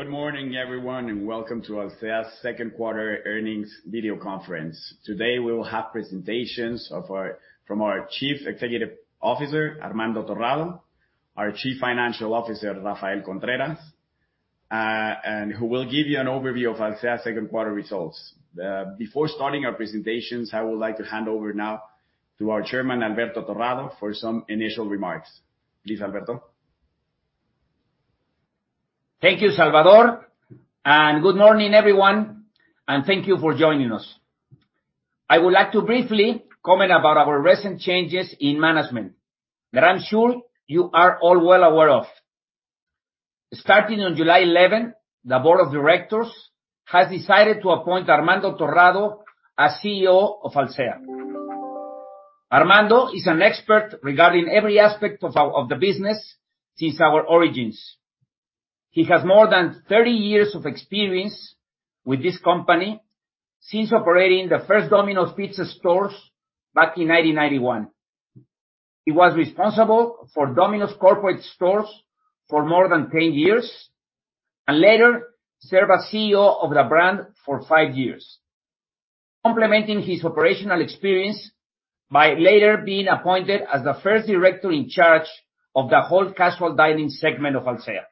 Good morning, everyone, and welcome to Alsea's second quarter earnings video conference. Today, we will have presentations from our Chief Executive Officer, Armando Torrado, our Chief Financial Officer, Rafael Contreras, and who will give you an overview of Alsea's second quarter results. Before starting our presentations, I would like to hand over now to our chairman, Alberto Torrado, for some initial remarks. Please, Alberto. Thank you, Salvador. Good morning, everyone, and thank you for joining us. I would like to briefly comment about our recent changes in management that I'm sure you are all well aware of. Starting on July 11, the board of directors has decided to appoint Armando Torrado as CEO of Alsea. Armando is an expert regarding every aspect of the business since our origins. He has more than 30 years of experience with this company since operating the first Domino's Pizza stores back in 1991. He was responsible for Domino's corporate stores for more than 10 years, and later served as CEO of the brand for five years. Complementing his operational experience by later being appointed as the first director in charge of the whole casual dining segment of Alsea.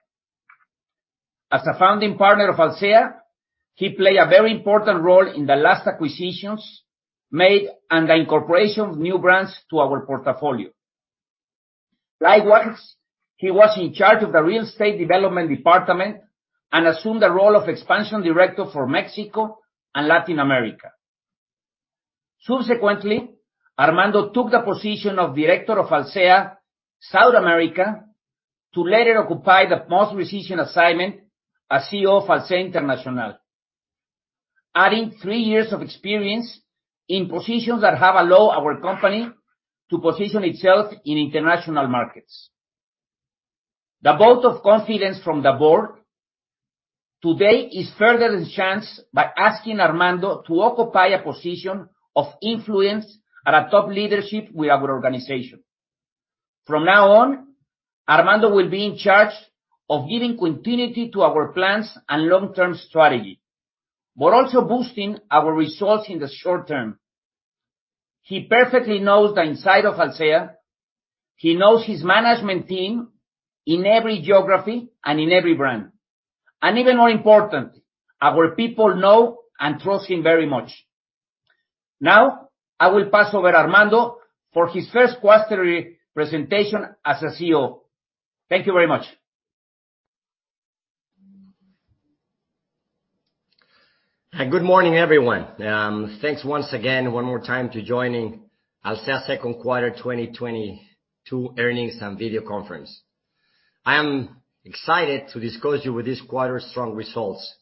As a founding partner of Alsea, he played a very important role in the last acquisitions made and the incorporation of new brands to our portfolio. Likewise, he was in charge of the real estate development department and assumed the role of Expansion Director for Mexico and Latin America. Subsequently, Armando took the position of director of Alsea South America to later occupy the most recent assignment as CEO of Alsea International. Adding three years of experience in positions that have allowed our company to position itself in international markets. The vote of confidence from the board today is furthered and channeled by asking Armando to occupy a position of influence and a top leadership with our organization. From now on, Armando will be in charge of giving continuity to our plans and long-term strategy, but also boosting our results in the short term. He perfectly knows the inside of Alsea. He knows his management team in every geography and in every brand. Even more important, our people know and trust him very much. Now, I will pass over Armando for his first quarterly presentation as a CEO. Thank you very much. Good morning, everyone. Thanks once again for joining Alsea second quarter 2022 earnings and video conference. I am excited to discuss with you this quarter's strong results,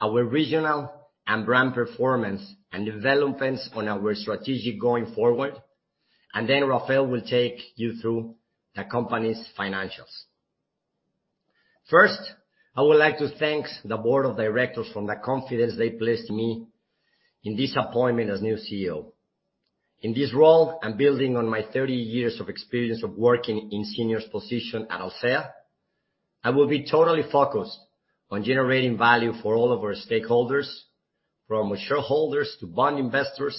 our regional and brand performance, and developments on our strategy going forward, and then Rafael will take you through the company's financials. First, I would like to thank the board of directors for the confidence they placed in me in this appointment as new CEO. In this role, I'm building on my 30 years of experience of working in senior positions at Alsea. I will be totally focused on generating value for all of our stakeholders, from shareholders to bond investors,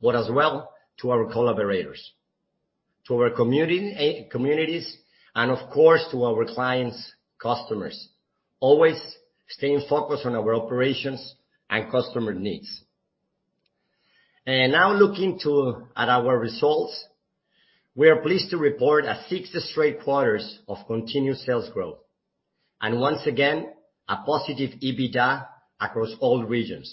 but as well to our collaborators, to our communities, and of course, to our clients, customers, always staying focused on our operations and customer needs. Now looking to. At our results, we are pleased to report a sixth straight quarter of continued sales growth. Once again, a positive EBITDA across all regions.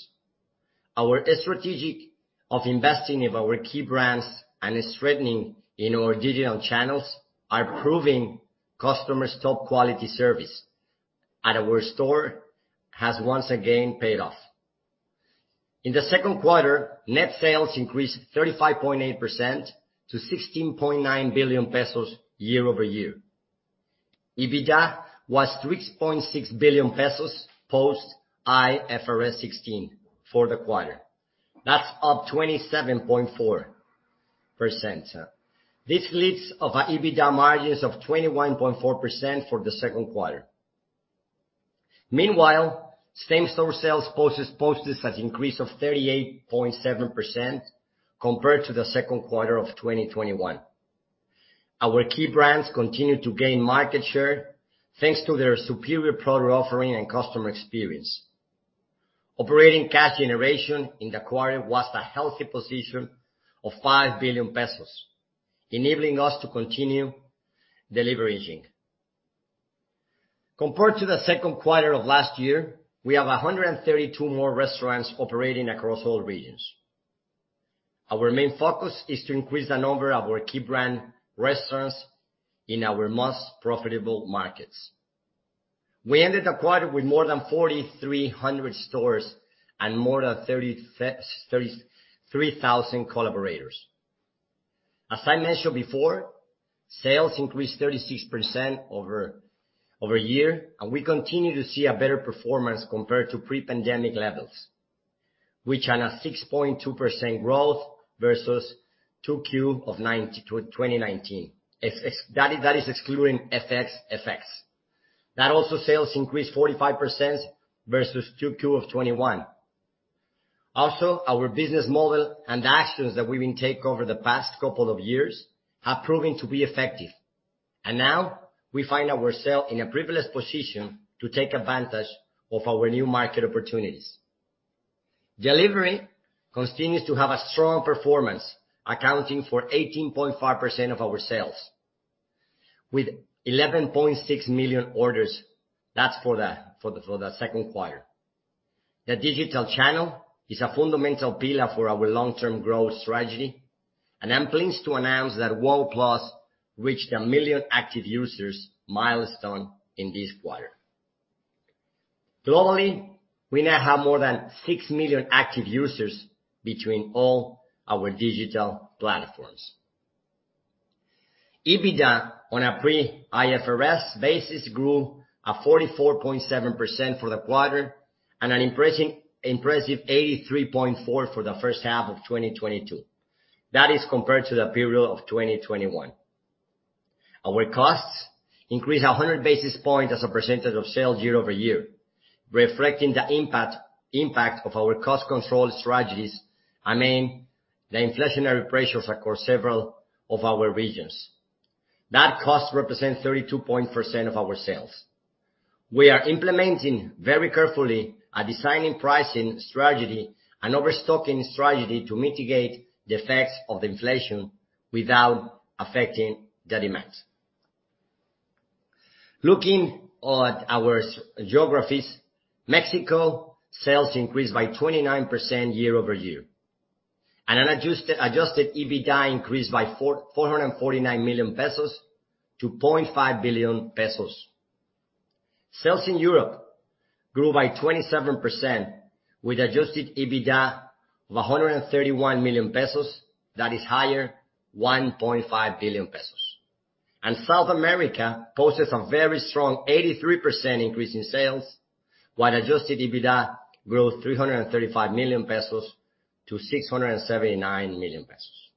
Our strategy of investing in our key brands and strengthening of our digital channels are proving to customers top-quality service, and our stores have once again paid off. In the second quarter, net sales increased 35.8% to 16.9 billion pesos year-over-year. EBITDA was 3.6 billion pesos, post IFRS 16 for the quarter. That's up 27.4%. This leaves our EBITDA margins of 21.4% for the second quarter. Meanwhile, same-store sales posted an increase of 38.7% compared to the second quarter of 2021. Our key brands continued to gain market share thanks to their superior product offering and customer experience. Operating cash generation in the quarter was a healthy position of 5 billion pesos, enabling us to continue deleveraging. Compared to the second quarter of last year, we have 132 more restaurants operating across all regions. Our main focus is to increase the number of our key brand restaurants in our most profitable markets. We ended the quarter with more than 4,300 stores and more than 33,000 collaborators. As I mentioned before, sales increased 36% year-over-year, and we continue to see a better performance compared to pre-pandemic levels, which are now 6.2% growth versus 2Q of 2019. That is excluding FX effects. That also sales increased 45% versus 2Q of 2021. Our business model and the actions that we've been taking over the past couple of years have proven to be effective. Now we find ourselves in a privileged position to take advantage of our new market opportunities. Delivery continues to have a strong performance, accounting for 18.5% of our sales with 11.6 million orders. That's for the second quarter. The digital channel is a fundamental pillar for our long-term growth strategy. I'm pleased to announce that WOW+ reached 1 million active users milestone in this quarter. Globally, we now have more than 6 million active users between all our digital platforms. EBITDA on a pre-IFRS basis grew 44.7% for the quarter and an impressive 83.4% for the first half of 2022. That is compared to the period of 2021. Our costs increased 100 basis points as a percentage of sales year over year, reflecting the impact of our cost control strategies amid the inflationary pressures across several of our regions. That cost represents 32% of our sales. We are implementing very carefully a designing pricing strategy and overstocking strategy to mitigate the effects of inflation without affecting the demand. Looking at our geographies, Mexico sales increased by 29% year-over-year, and an adjusted EBITDA increased by 449 million pesos to 0.5 billion pesos. Sales in Europe grew by 27% with adjusted EBITDA of 131 million pesos, that is higher 1.5 billion pesos. South America posted some very strong 83% increase in sales, while adjusted EBITDA grew 335 million-679 million pesos.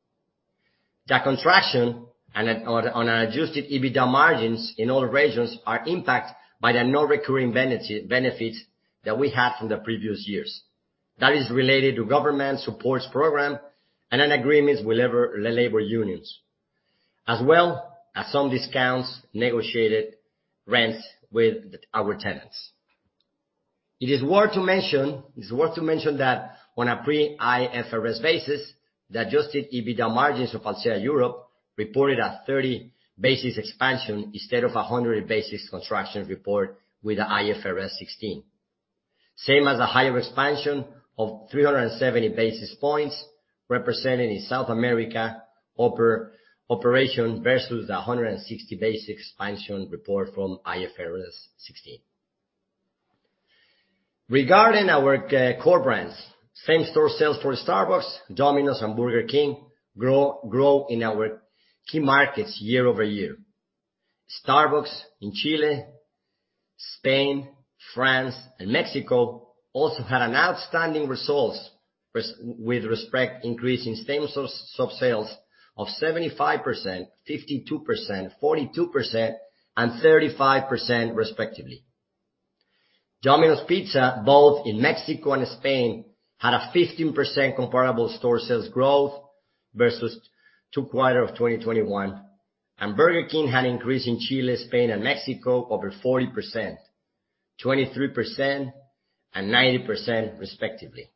The contraction in adjusted EBITDA margins in all regions is impacted by the non-recurring benefit that we had from the previous years. That is related to government support programs and agreements with labor unions, as well as some discounts, negotiated rents with our tenants. It is worth to mention that on a pre-IFRS basis, the adjusted EBITDA margins of Alsea Europe reported a 30 basis points expansion instead of a 100 basis points contraction reported with the IFRS 16. Same as a higher expansion of 370 basis points represented in South America operation versus the 160 basis points expansion reported from IFRS 16. Regarding our core brands, same-store sales for Starbucks, Domino's, and Burger King grow in our key markets year-over-year. Starbucks in Chile, Spain, France, and Mexico also had outstanding results with respective increases in same-store sales of 75%, 52%, 42%, and 35% respectively. Domino's Pizza, both in Mexico and Spain, had a 15% comparable store sales growth versus second quarter of 2021. Burger King had increases in Chile, Spain, and Mexico over 40%, 23%, and 90% respectively.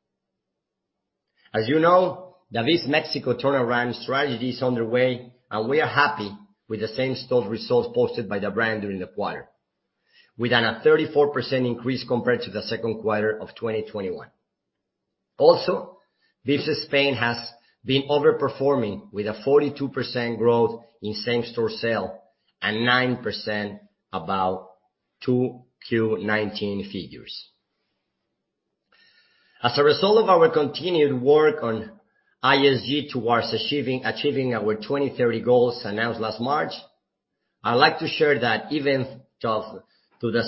As you know, the Mexico turnaround strategy is underway, and we are happy with the same-store results posted by the brand during the quarter, with a 34% increase compared to the second quarter of 2021. Vips Spain has been overperforming with a 42% growth in same-store sales and 9% above 2Q 2019 figures. As a result of our continued work on ESG towards achieving our 2030 goals announced last March, I'd like to share that even though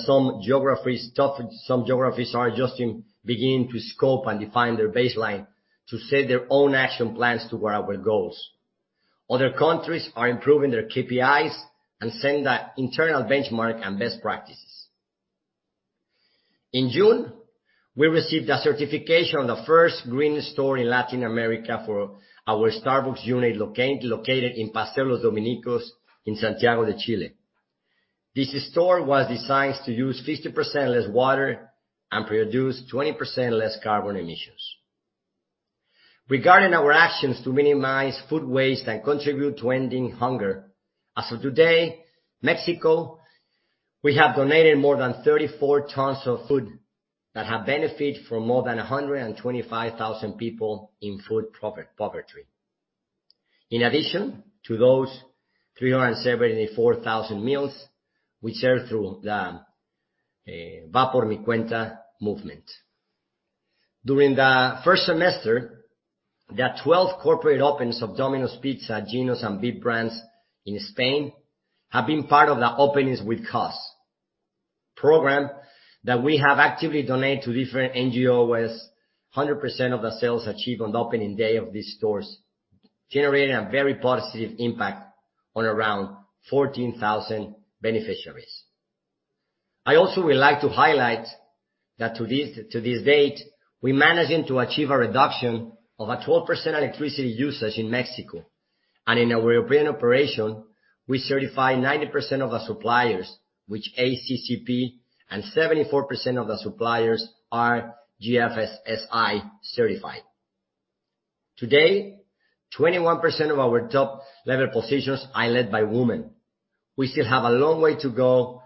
some geographies are just beginning to scope and define their baseline to set their own action plans toward our goals. Other countries are improving their KPIs and setting the internal benchmark and best practices. In June, we received a certification of the first green store in Latin America for our Starbucks unit located in Paseo Los Dominicos in Santiago de Chile. This store was designed to use 50% less water and produce 20% less carbon emissions. Regarding our actions to minimize food waste and contribute to ending hunger, as of today, Mexico, we have donated more than 34 tons of food that have benefit for more than 125,000 people in food poverty. In addition to those 374,000 meals, we served through the Va por Mi Cuenta movement. During the first semester, the 12 corporate openings of Domino's Pizza, Ginos, and Vips brands in Spain have been part of the Aperturas con Causa program that we have actively donated to different NGOs 100% of the sales achieved on the opening day of these stores, generating a very positive impact on around 14,000 beneficiaries. I also would like to highlight that to this date, we're managing to achieve a reduction of a 12% electricity usage in Mexico. In our European operation, we certify 90% of the suppliers, which HACCP, and 74% of the suppliers are GFSI certified. Today, 21% of our top level positions are led by women. We still have a long way to go,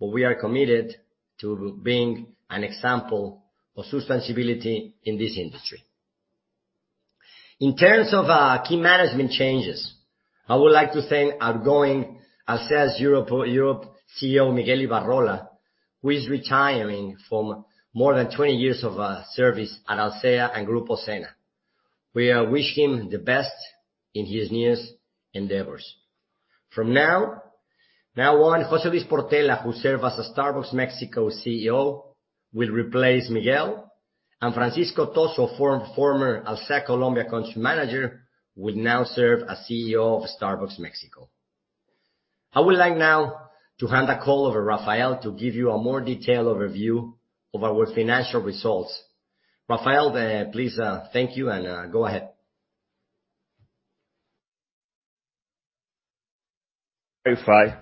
but we are committed to being an example of sustainability in this industry. In terms of key management changes, I would like to thank outgoing Alsea Europe CEO, Miguel Ibarrola, who is retiring from more than 20 years of service at Alsea and Grupo Zena. We wish him the best in his new endeavors. From now on, José Luis Portela, who serve as a Starbucks Mexico CEO, will replace Miguel, and Francisco Toso, former Alsea Colombia country manager, will now serve as CEO of Starbucks Mexico. I would like now to hand the call over Rafael to give you a more detailed overview of our financial results. Rafael, please, thank you and go ahead. Verify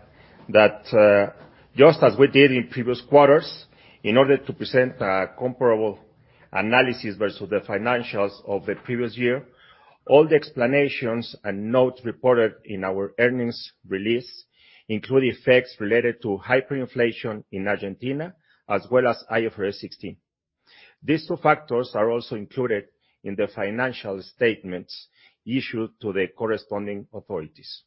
that, just as we did in previous quarters, in order to present a comparable analysis versus the financials of the previous year, all the explanations and notes reported in our earnings release include effects related to hyperinflation in Argentina, as well as IFRS 16. These two factors are also included in the financial statements issued to the corresponding authorities.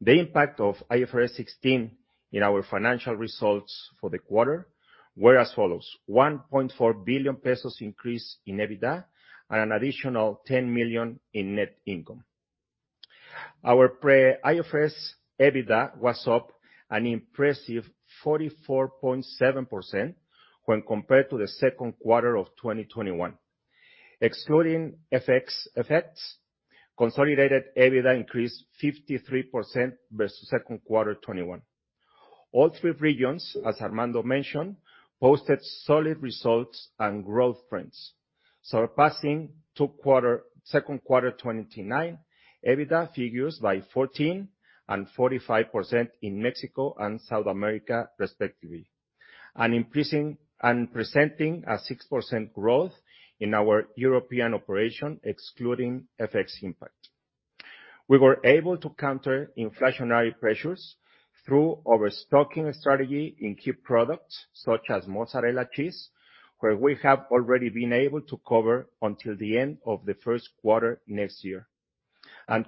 The impact of IFRS 16 in our financial results for the quarter were as follows. 1.4 billion pesos increase in EBITDA and an additional 10 million in net income. Our pre-IFRS EBITDA was up an impressive 44.7% when compared to the second quarter of 2021. Excluding FX effects, consolidated EBITDA increased 53% versus second quarter 2021. All three regions, as Armando mentioned, posted solid results and growth trends, surpassing second quarter 2019 EBITDA figures by 14% and 45% in Mexico and South America, respectively, and presenting a 6% growth in our European operation, excluding FX impact. We were able to counter inflationary pressures through our stocking strategy in key products such as mozzarella cheese, where we have already been able to cover until the end of the first quarter next year.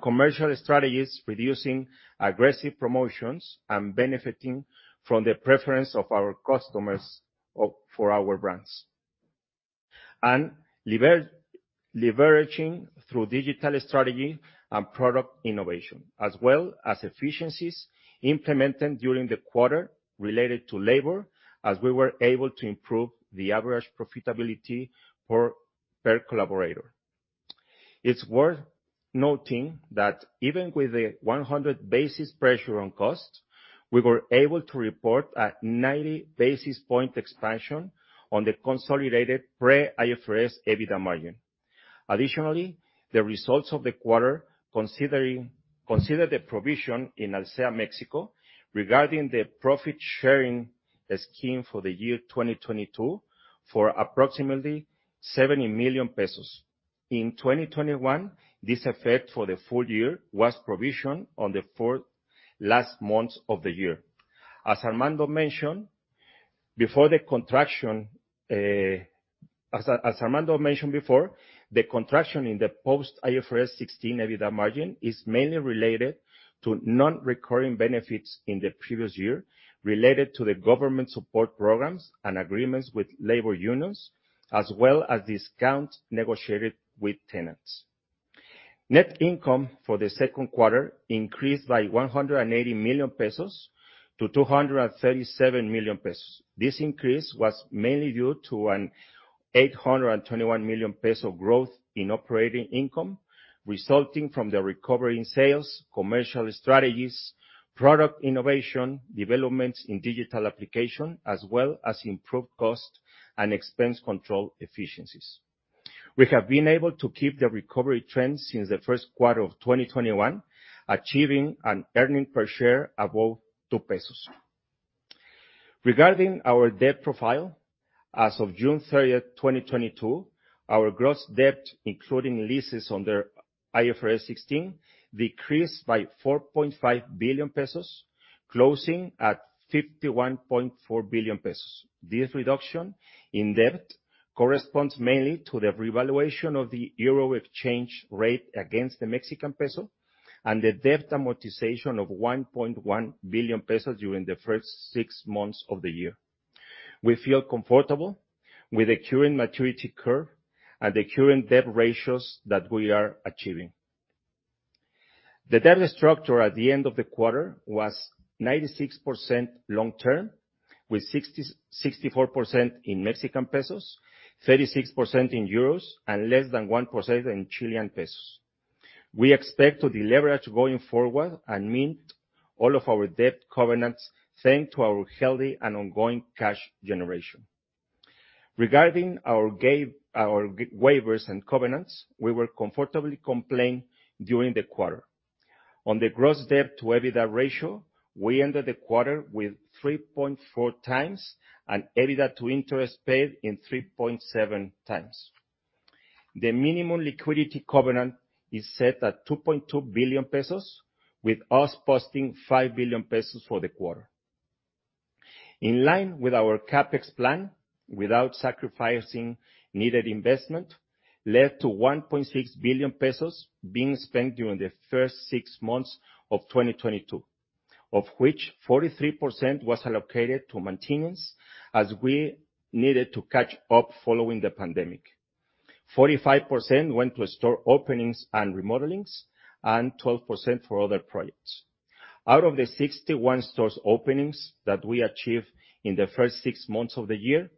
Commercial strategies reducing aggressive promotions and benefiting from the preference of our customers for our brands. Leveraging through digital strategy and product innovation, as well as efficiencies implemented during the quarter related to labor, as we were able to improve the average profitability per collaborator. It's worth noting that even with a 100 basis points pressure on cost, we were able to report a 90 basis points expansion on the consolidated pre-IFRS EBITDA margin. Additionally, the results of the quarter considered the provision in Alsea Mexico regarding the profit-sharing scheme for the year 2022 for approximately 70 million pesos. In 2021, this effect for the full year was provisioned on the fourth last month of the year. As Armando mentioned before, the contraction in the post-IFRS 16 EBITDA margin is mainly related to non-recurring benefits in the previous year related to the government support programs and agreements with labor unions, as well as discounts negotiated with tenants. Net income for the second quarter increased by 180 million pesos to 237 million pesos. This increase was mainly due to an 821 million peso growth in operating income resulting from the recovery in sales, commercial strategies, product innovation, developments in digital application, as well as improved cost and expense control efficiencies. We have been able to keep the recovery trend since the first quarter of 2021, achieving an earnings per share above 2 pesos. Regarding our debt profile, as of June 30th, 2022, our gross debt, including leases under IFRS 16, decreased by 4.5 billion pesos, closing at 51.4 billion pesos. This reduction in debt corresponds mainly to the revaluation of the euro exchange rate against the Mexican peso and the debt amortization of 1.1 billion pesos during the first six months of the year. We feel comfortable with the current maturity curve and the current debt ratios that we are achieving. The debt structure at the end of the quarter was 96% long-term, with 64% in Mexican pesos, 36% in euros, and less than 1% in Chilean pesos. We expect to deleverage going forward and meet all of our debt covenants, thanks to our healthy and ongoing cash generation. Regarding our waivers and covenants, we were comfortably compliant during the quarter. On the gross debt to EBITDA ratio, we ended the quarter with 3.4x, and EBITDA to interest paid in 3.7x. The minimum liquidity covenant is set at 2.2 billion pesos, with us posting 5 billion pesos for the quarter. In line with our CapEx plan, without sacrificing needed investment, led to 1.6 billion pesos being spent during the first six months of 2022, of which 43% was allocated to maintenance as we needed to catch up following the pandemic. 45% went to store openings and remodelings, and 12% for other projects. Out of the 61 stores openings that we achieved in the first six months of the year,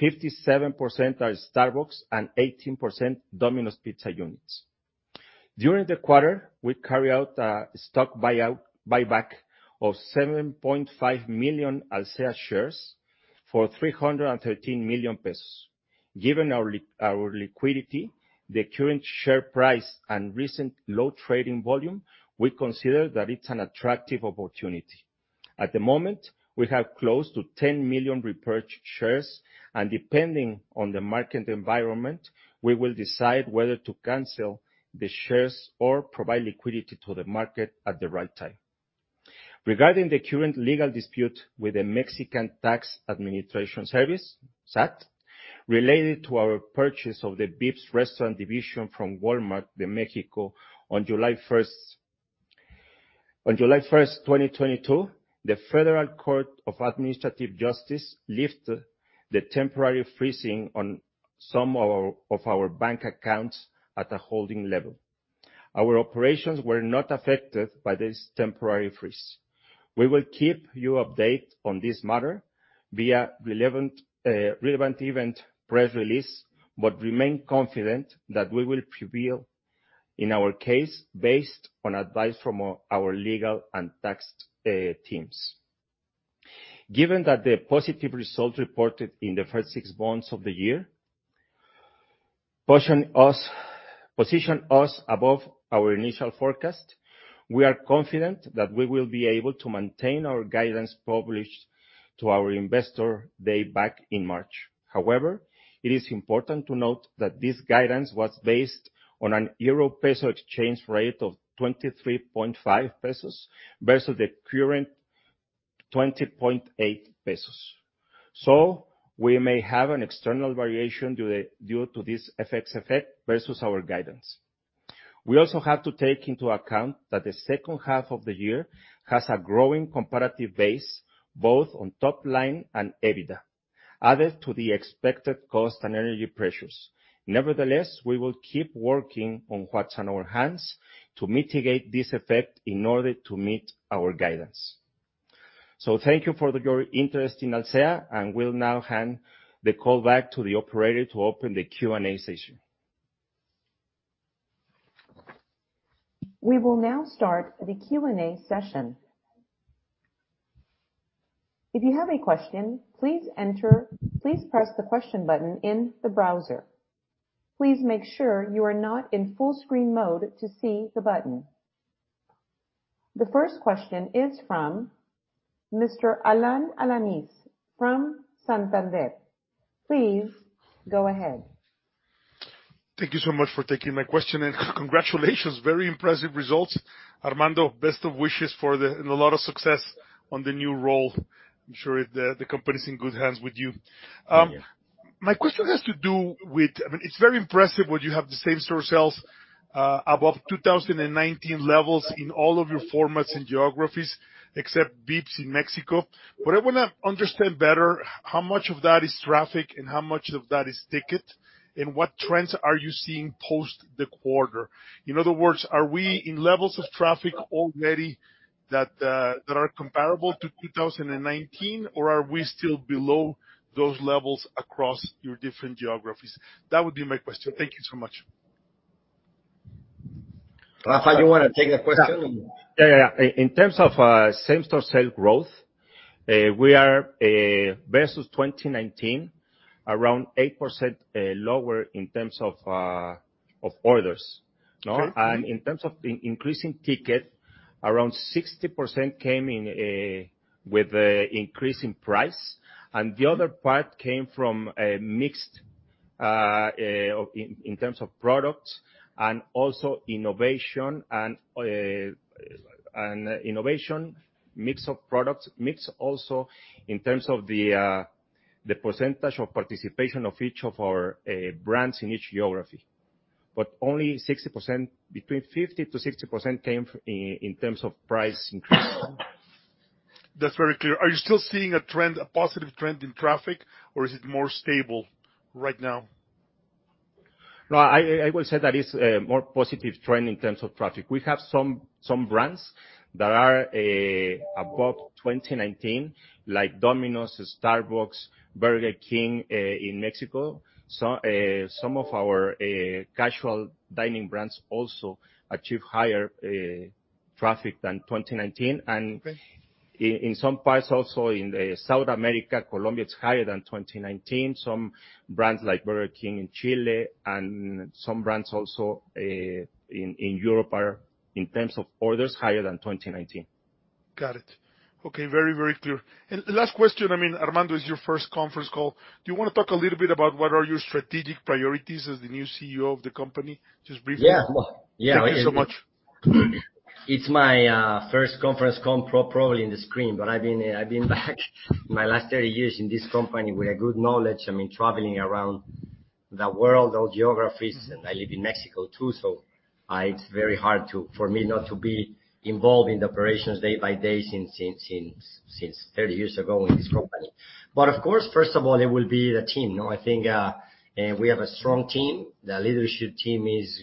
57% are Starbucks and 18% Domino's Pizza units. During the quarter, we carry out stock buyback of 7.5 million Alsea shares for 313 million pesos. Given our liquidity, the current share price, and recent low trading volume, we consider that it's an attractive opportunity. At the moment, we have close to 10 million repurchased shares, and depending on the market environment, we will decide whether to cancel the shares or provide liquidity to the market at the right time. Regarding the current legal dispute with the Mexican Tax Administration Service, SAT, related to our purchase of the Vips restaurant division from Walmart in Mexico. On July 1st, 2022, the Federal Tribunal of Administrative Justice lifted the temporary freezing on some of our bank accounts at a holding level. Our operations were not affected by this temporary freeze. We will keep you updated on this matter via relevant event press release, but remain confident that we will prevail in our case based on advice from our legal and tax teams. Given that the positive results reported in the first six months of the year position us above our initial forecast, we are confident that we will be able to maintain our guidance published to our investor day back in March. However, it is important to note that this guidance was based on an euro-peso exchange rate of 23.5 pesos versus the current 20.8 pesos. We may have an external variation due to this FX effect versus our guidance. We also have to take into account that the second half of the year has a growing comparative base, both on top line and EBITDA, added to the expected cost and energy pressures. Nevertheless, we will keep working on what's on our hands to mitigate this effect in order to meet our guidance. Thank you for your interest in Alsea, and we'll now hand the call back to the operator to open the Q&A session. We will now start the Q&A session. If you have a question, please press the question button in the browser. Please make sure you are not in full-screen mode to see the button. The first question is from Mr. Alan Alanis from Santander. Please go ahead. Thank you so much for taking my question, and congratulations, very impressive results. Armando, best of wishes for the and a lot of success on the new role. I'm sure the company's in good hands with you. My question has to do with. I mean, it's very impressive what you have the same store sales above 2019 levels in all of your formats and geographies, except Vips in Mexico. I wanna understand better how much of that is traffic and how much of that is ticket, and what trends are you seeing post the quarter. In other words, are we in levels of traffic already that are comparable to 2019, or are we still below those levels across your different geographies. That would be my question. Thank you so much. Rafa, you wanna take the question? Yeah. In terms of same-store sales growth, we are versus 2019, around 8% lower in terms of orders. In terms of increasing ticket, around 60% came in with the increase in price, and the other part came from a mix in terms of products and also innovation and innovation mix of products. Mix also in terms of the percentage of participation of each of our brands in each geography. But only 60%. Between 50%-60% came in terms of price increase. That's very clear. Are you still seeing a trend, a positive trend in traffic or is it more stable right now? No, I will say that it's a more positive trend in terms of traffic. We have some brands that are above 2019, like Domino's, Starbucks, Burger King in Mexico. Some of our casual dining brands also achieve higher traffic than 2019. Okay. In some parts also in South America, Colombia, it's higher than 2019. Some brands like Burger King in Chile and some brands also in Europe are, in terms of orders, higher than 2019. Got it. Okay. Very, very clear. Last question, I mean, Armando, it's your first conference call, do you wanna talk a little bit about what are your strategic priorities as the new CEO of the company? Just briefly. Yeah. Well, yeah. Thank you so much. It's my first conference call probably in the screen, but I've been in this company for the last 30 years with good knowledge. I mean, traveling around the world, all geographies, and I live in Mexico too, so it's very hard for me not to be involved in the operations day by day since 30 years ago in this company. First of all, it will be the team. You know, I think we have a strong team. The leadership team is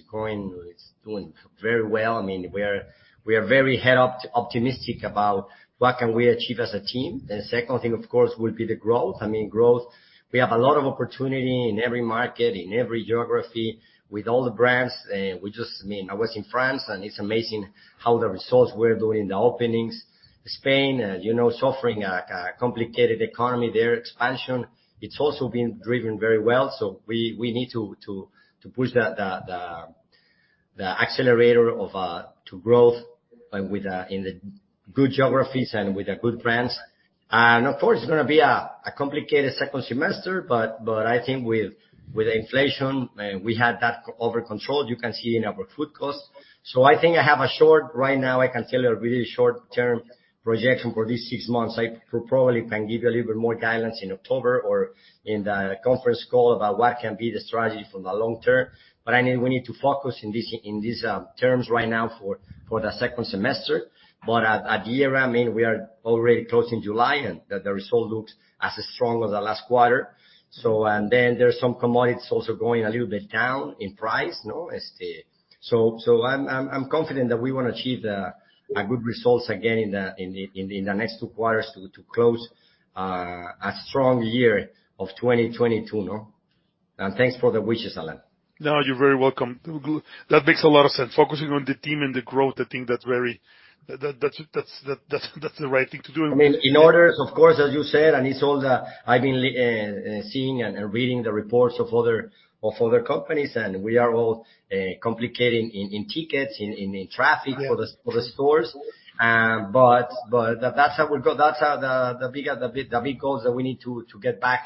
doing very well. I mean, we are very optimistic about what we can achieve as a team. The second thing, of course, will be the growth. I mean, growth, we have a lot of opportunity in every market, in every geography with all the brands. We just, I mean, I was in France, and it's amazing how the results we're doing in the openings. Spain, as you know, suffering a complicated economy there. Expansion, it's also been driven very well. We need to push the accelerator to growth and within the good geographies and with the good brands. Of course, it's gonna be a complicated second semester, but I think with the inflation, we have that under control, you can see in our food costs. I think right now, I can tell you a really short-term projection for these six months. I probably can give you a little bit more guidance in October or in the conference call about what can be the strategy for the long term. I know we need to focus in this, in these terms right now for the second semester. At year-end, I mean, we are already closing July and the result looks as strong as the last quarter. Then there's some commodities also going a little bit down in price, you know. I'm confident that we will achieve a good results again in the next two quarters to close a strong year of 2022, you know. Thanks for the wishes, Alan. No, you're very welcome. That makes a lot of sense. Focusing on the team and the growth, I think that's the right thing to do. I mean, in orders, of course, as you said, and it's all the I've been seeing and reading the reports of other companies, and we are all competing in tickets, in traffic. Yeah. For the stores. That's how we go. That's the big goals that we need to get back.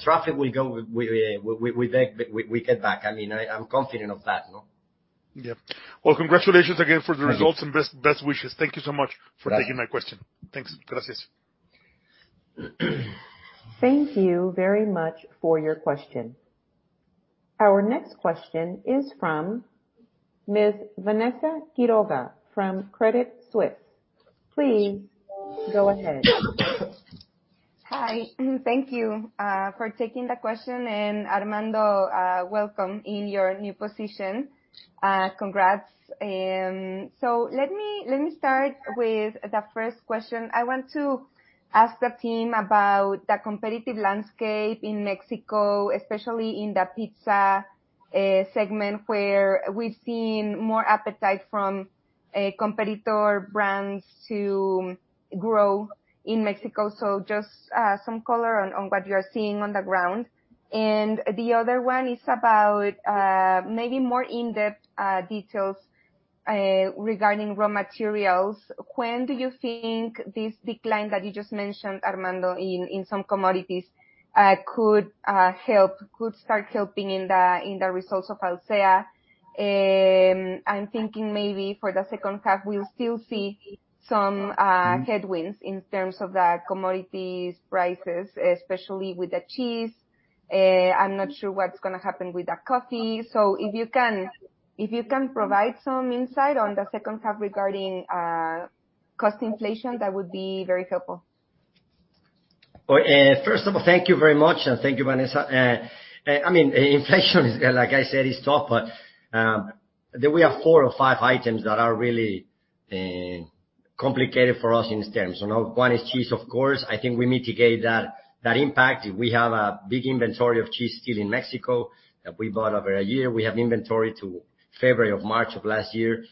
Traffic will go with we get back. I mean, I'm confident of that, you know? Yeah. Well, congratulations again for the results. Thank you. best wishes. Thank you so much for taking my question. Thanks. Gracias. Thank you very much for your question. Our next question is from Miss Vanessa Quiroga from Credit Suisse. Please go ahead. Hi. Thank you for taking the question, and Armando, welcome in your new position. Congrats. Let me start with the first question. I want to ask the team about the competitive landscape in Mexico, especially in the pizza segment, where we've seen more appetite from competitor brands to grow in Mexico. Just some color on what you're seeing on the ground. The other one is about maybe more in-depth details regarding raw materials. When do you think this decline that you just mentioned, Armando, in some commodities could start helping in the results of Alsea? I'm thinking maybe for the second half, we'll still see some headwinds in terms of the commodities prices, especially with the cheese. I'm not sure what's gonna happen with the coffee. If you can provide some insight on the second half regarding cost inflation, that would be very helpful. First of all, thank you very much. Thank you, Vanessa. I mean, inflation is, like I said, is tough, but there we have four or five items that are really complicated for us in these terms, you know? One is cheese, of course. I think we mitigate that impact. We have a big inventory of cheese still in Mexico that we bought over a year. We have inventory to February or March of last year.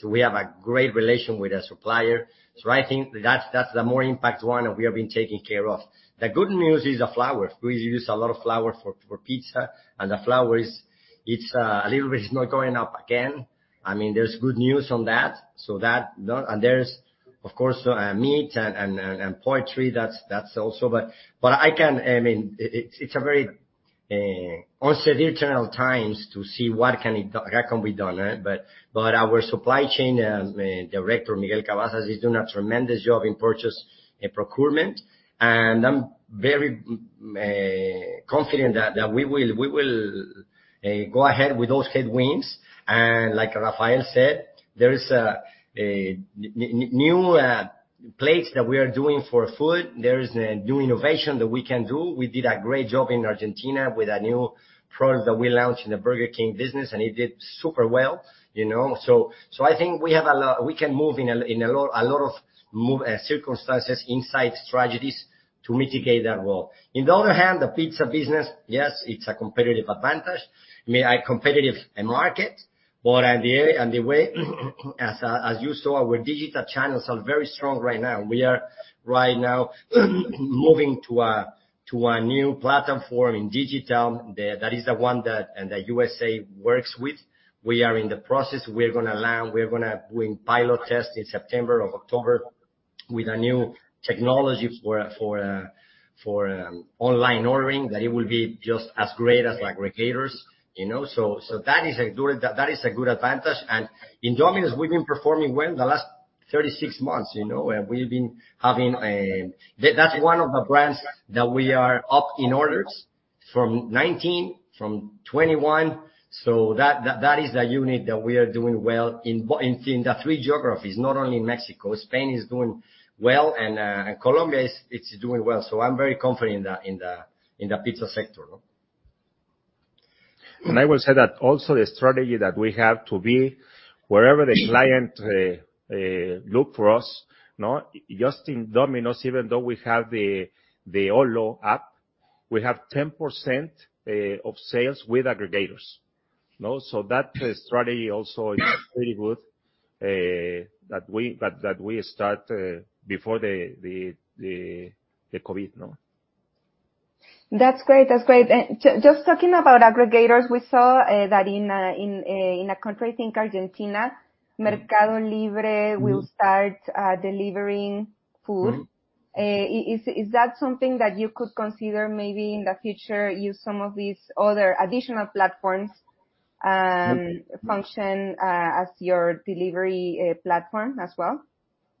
So we have a great relation with the supplier. I think that's the more impact one, and we have been taking care of. The good news is the flour. We use a lot of flour for pizza, and the flour is, it's a little bit not going up again. I mean, there's good news on that. There's, of course, meat and poultry. That's also. I mean, it's a very uncertain times to see what can be done, right? Our supply chain director, Miguel Cavazza, is doing a tremendous job in purchasing and procurement. I'm very confident that we will go ahead with those headwinds. Like Rafael said, there is a new plates that we are doing for food. There is a new innovation that we can do. We did a great job in Argentina with a new product that we launched in the Burger King business, and it did super well, you know? I think we have a lot. We can move in a lot of circumstances, insights, strategies to mitigate that well. On the other hand, the pizza business, yes, it's a competitive advantage. I mean, a competitive market, but at the end of the day, as you saw, our digital channels are very strong right now. We are right now moving to a new platform in digital. That is the one that the U.S. works with. We are in the process. We're gonna learn. We're gonna do pilot test in September or October with a new technology for online ordering, that it will be just as great as like aggregators, you know? So that is a good advantage. In Domino's, we've been performing well in the last 36 months, you know? That's one of the brands that we are up in orders from 2019, from 2021. That is a unit that we are doing well in in the three geographies, not only in Mexico. Spain is doing well, and Colombia is doing well. I'm very confident in the pizza sector. I will say that also the strategy that we have to be wherever the client look for us, no, just in Domino's, even though we have the Olo app, we have 10% of sales with aggregators. No? That strategy also is pretty good, that we start before the COVID, no? That's great. Just talking about aggregators, we saw that in a country, I think Argentina, Mercado Libre will start delivering food. Is that something that you could consider maybe in the future, use some of these other additional platforms? Function as your delivery platform as well?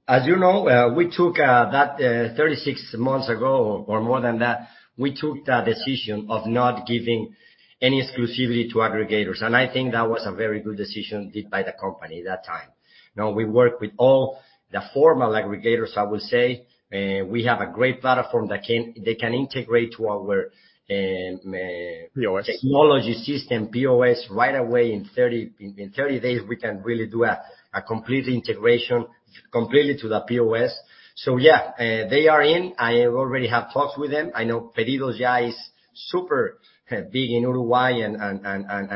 As you know, we took that 36 months ago, or more than that, we took that decision of not giving any exclusivity to aggregators. I think that was a very good decision made by the company that time. Now, we work with all the formal aggregators, I will say. We have a great platform that they can integrate to our. POS. Technology system, POS, right away. In 30 days, we can really do a complete integration completely to the POS, yeah they are in. I already have talks with them. I know PedidosYa is super big in Uruguay and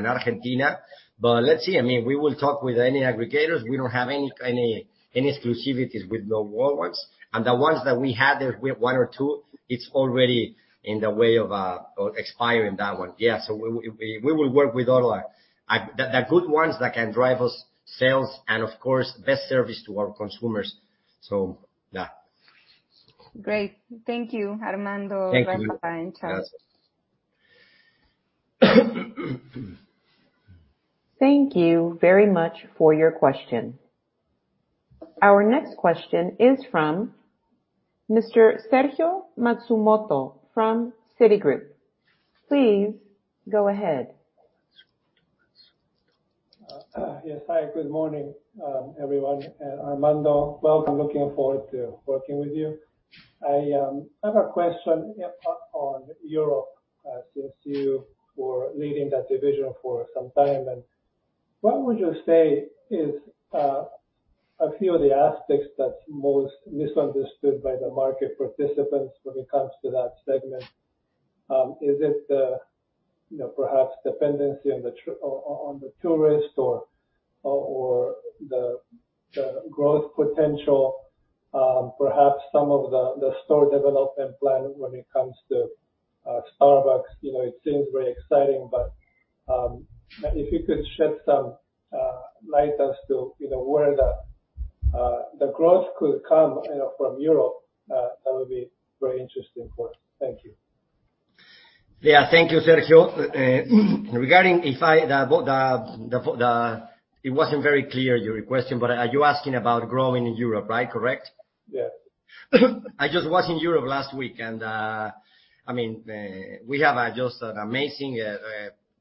Argentina. Let's see. I mean, we will talk with any aggregators. We don't have any exclusivities with no ones. The ones that we had, the one or two, it's already in the way of expiring, that one. Yeah. We will work with the good ones that can drive us sales and of course, best service to our consumers. Yeah. Great. Thank you, Armando. Thank you. Rafael as well. Yes. Thank you very much for your question. Our next question is from Mr. Sergio Matsumoto from Citigroup. Please go ahead. Yes. Hi, good morning, everyone, Armando. Welcome. Looking forward to working with you. I have a question on Europe, since you were leading that division for some time. What would you say is a few of the aspects that's most misunderstood by the market participants when it comes to that segment? Is it the, you know, perhaps dependency on the tourism or the growth potential, perhaps some of the store development plan when it comes to Starbucks? You know, it seems very exciting, but if you could shed some light as to where the growth could come from Europe, that would be very interesting for us. Thank you. Yeah. Thank you, Sergio. It wasn't very clear, your question, but are you asking about growing in Europe, right? Correct? Yes. I just was in Europe last week, I mean, we have just an amazing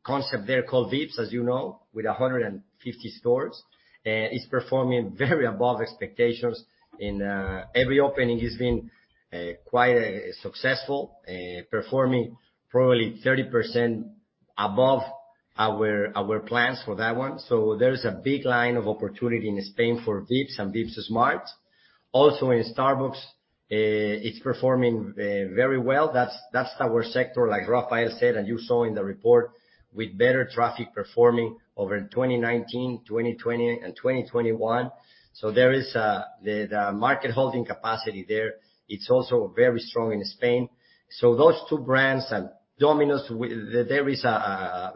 concept there called Vips, as you know, with 150 stores. It's performing way above expectations. Every opening has been quite successful, performing probably 30% above our plans for that one. There is a big line of opportunity in Spain for Vips and Vips Smart. Also, in Starbucks, it's performing very well. That's our sector, like Rafael said, and you saw in the report, with better traffic performing over 2019, 2020 and 2021. There is the market holding capacity there. It's also very strong in Spain. Those two brands and Domino's, there is a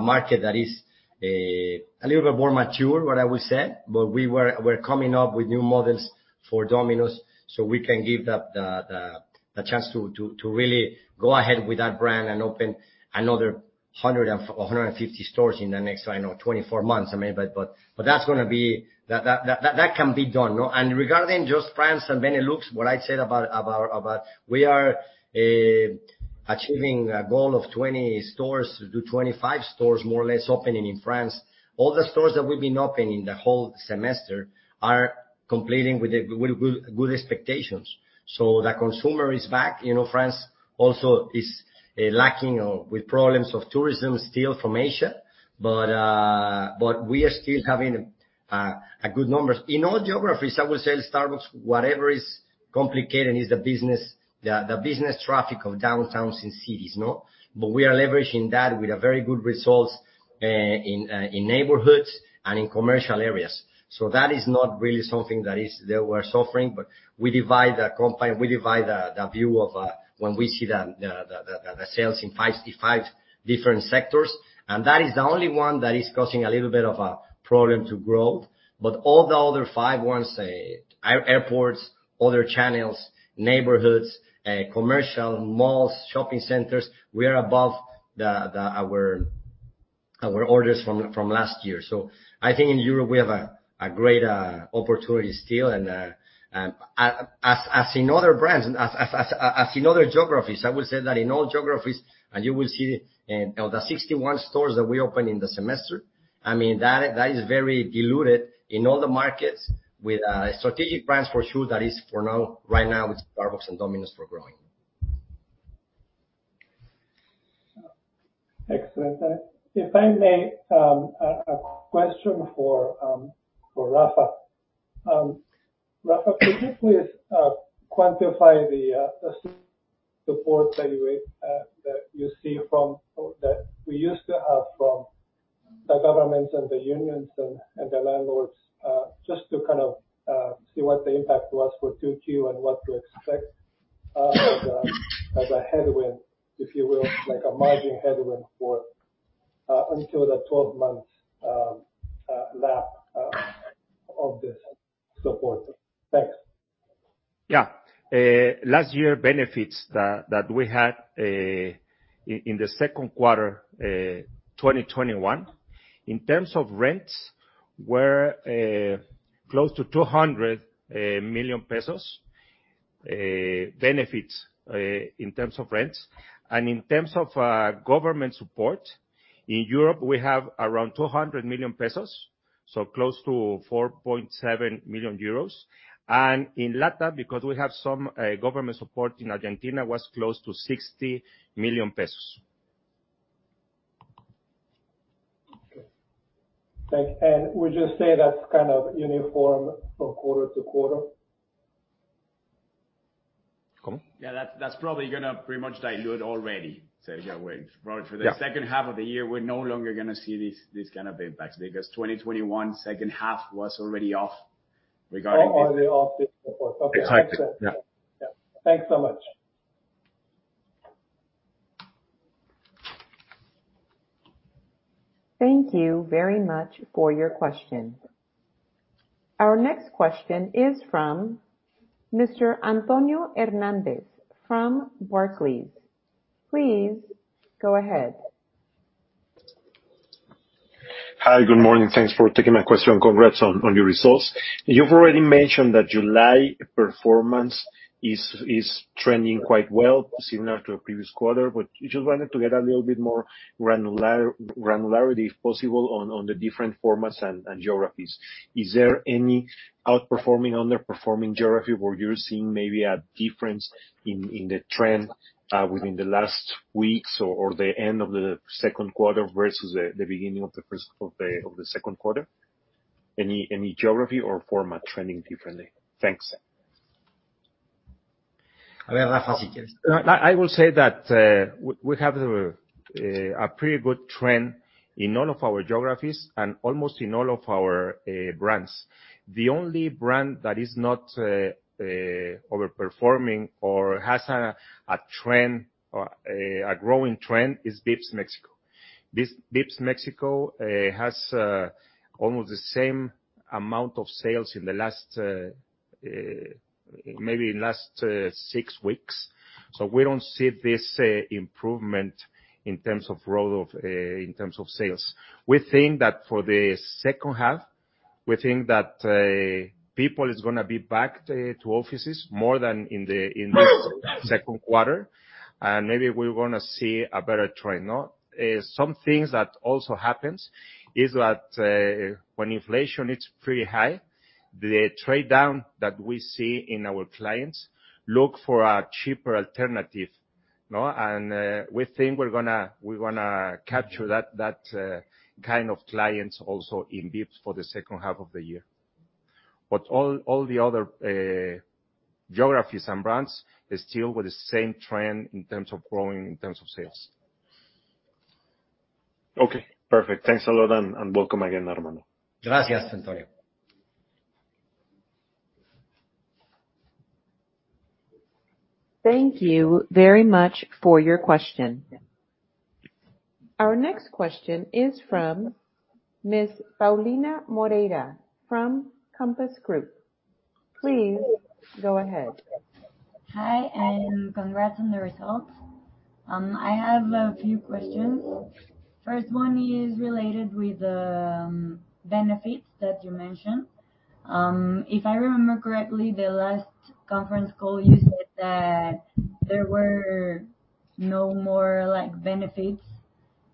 market that is a little bit more mature, what I would say, but we're coming up with new models for Domino's so we can give the chance to really go ahead with that brand and open another 150 stores in the next, I don't know, 24 months. I mean, that's gonna be. That can be done, no? Regarding just France and Benelux, what I said about we are achieving a goal of 20-25 stores, more or less opening in France. All the stores that we've been opening the whole semester are completing with good expectations. The consumer is back. You know, France also is lacking or with problems of tourism still from Asia. We are still having a good numbers. In all geographies, I would say Starbucks, whatever is complicated is the business, the business traffic of downtowns in cities, no? We are leveraging that with very good results in neighborhoods and in commercial areas. That is not really something that we're suffering, but we divide the view of when we see the sales in five different sectors, and that is the only one that is causing a little bit of a problem to growth. All the other five ones, airports, other channels, neighborhoods, commercial malls, shopping centers, we are above our orders from last year. I think in Europe, we have a great opportunity still and as in other brands as in other geographies, I would say that in all geographies and you will see in the 61 stores that we opened in the semester. I mean, that is very diluted in all the markets with strategic brands for sure. That is for now, right now, it's Starbucks and Domino's for growing. Excellent. If I may, a question for Rafael. Rafael, could you please quantify the support that we used to have from the governments and the unions and the landlords, just to kind of see what the impact was for 2Q and what to expect as a headwind, if you will, like a margin headwind until the 12 months lapse of this support. Thanks. Yeah. Last year benefits that we had in the second quarter 2021 in terms of rents were close to 200 million pesos benefits in terms of rents. In terms of government support, in Europe, we have around 200 million pesos, so close to 4.7 million euros. In LatAm, because we have some government support in Argentina, was close to 60 million pesos. Okay. Thanks. Would you say that's kind of uniform from quarter to quarter? Come? Yeah. That's probably gonna pretty much dilute already. Yeah, we're probably for the second half of the year, we're no longer gonna see these kind of impacts because 2021 second half was already off regarding this. Already off this support. Okay. Exactly. Yeah. Yeah. Thanks so much. Thank you very much for your question. Our next question is from Mr. Antonio Hernandez from Barclays. Please go ahead. Hi, good morning. Thanks for taking my question. Congrats on your results. You've already mentioned that July performance is trending quite well, similar to the previous quarter, but just wanted to get a little bit more granular, if possible, on the different formats and geographies. Is there any outperforming, underperforming geography where you're seeing maybe a difference in the trend within the last weeks or the end of the second quarter versus the beginning of the second quarter? Any geography or format trending differently? Thanks. I will say that we have a pretty good trend in all of our geographies and almost in all of our brands. The only brand that is not overperforming or has a trend or a growing trend is Vips Mexico. Vips Mexico has almost the same amount of sales in the last maybe six weeks, so we don't see this improvement in terms of growth of in terms of sales. We think that for the second half, people is gonna be back to offices more than in the second quarter, and maybe we're gonna see a better trend. Some things that also happens is that when inflation is pretty high, the trade down that we see in our clients look for a cheaper alternative, no? We think we're gonna capture that kind of clients also in Vips for the second half of the year. All the other geographies and brands is still with the same trend in terms of growing, in terms of sales. Okay. Perfect. Thanks a lot, and welcome again, Armando. Gracias, Antonio. Thank you very much for your question. Our next question is from Miss Paulina Moreira from Compass Group. Please go ahead. Hi, and congrats on the results. I have a few questions. First one is related with the benefits that you mentioned. If I remember correctly, the last conference call, you said that there were no more like benefits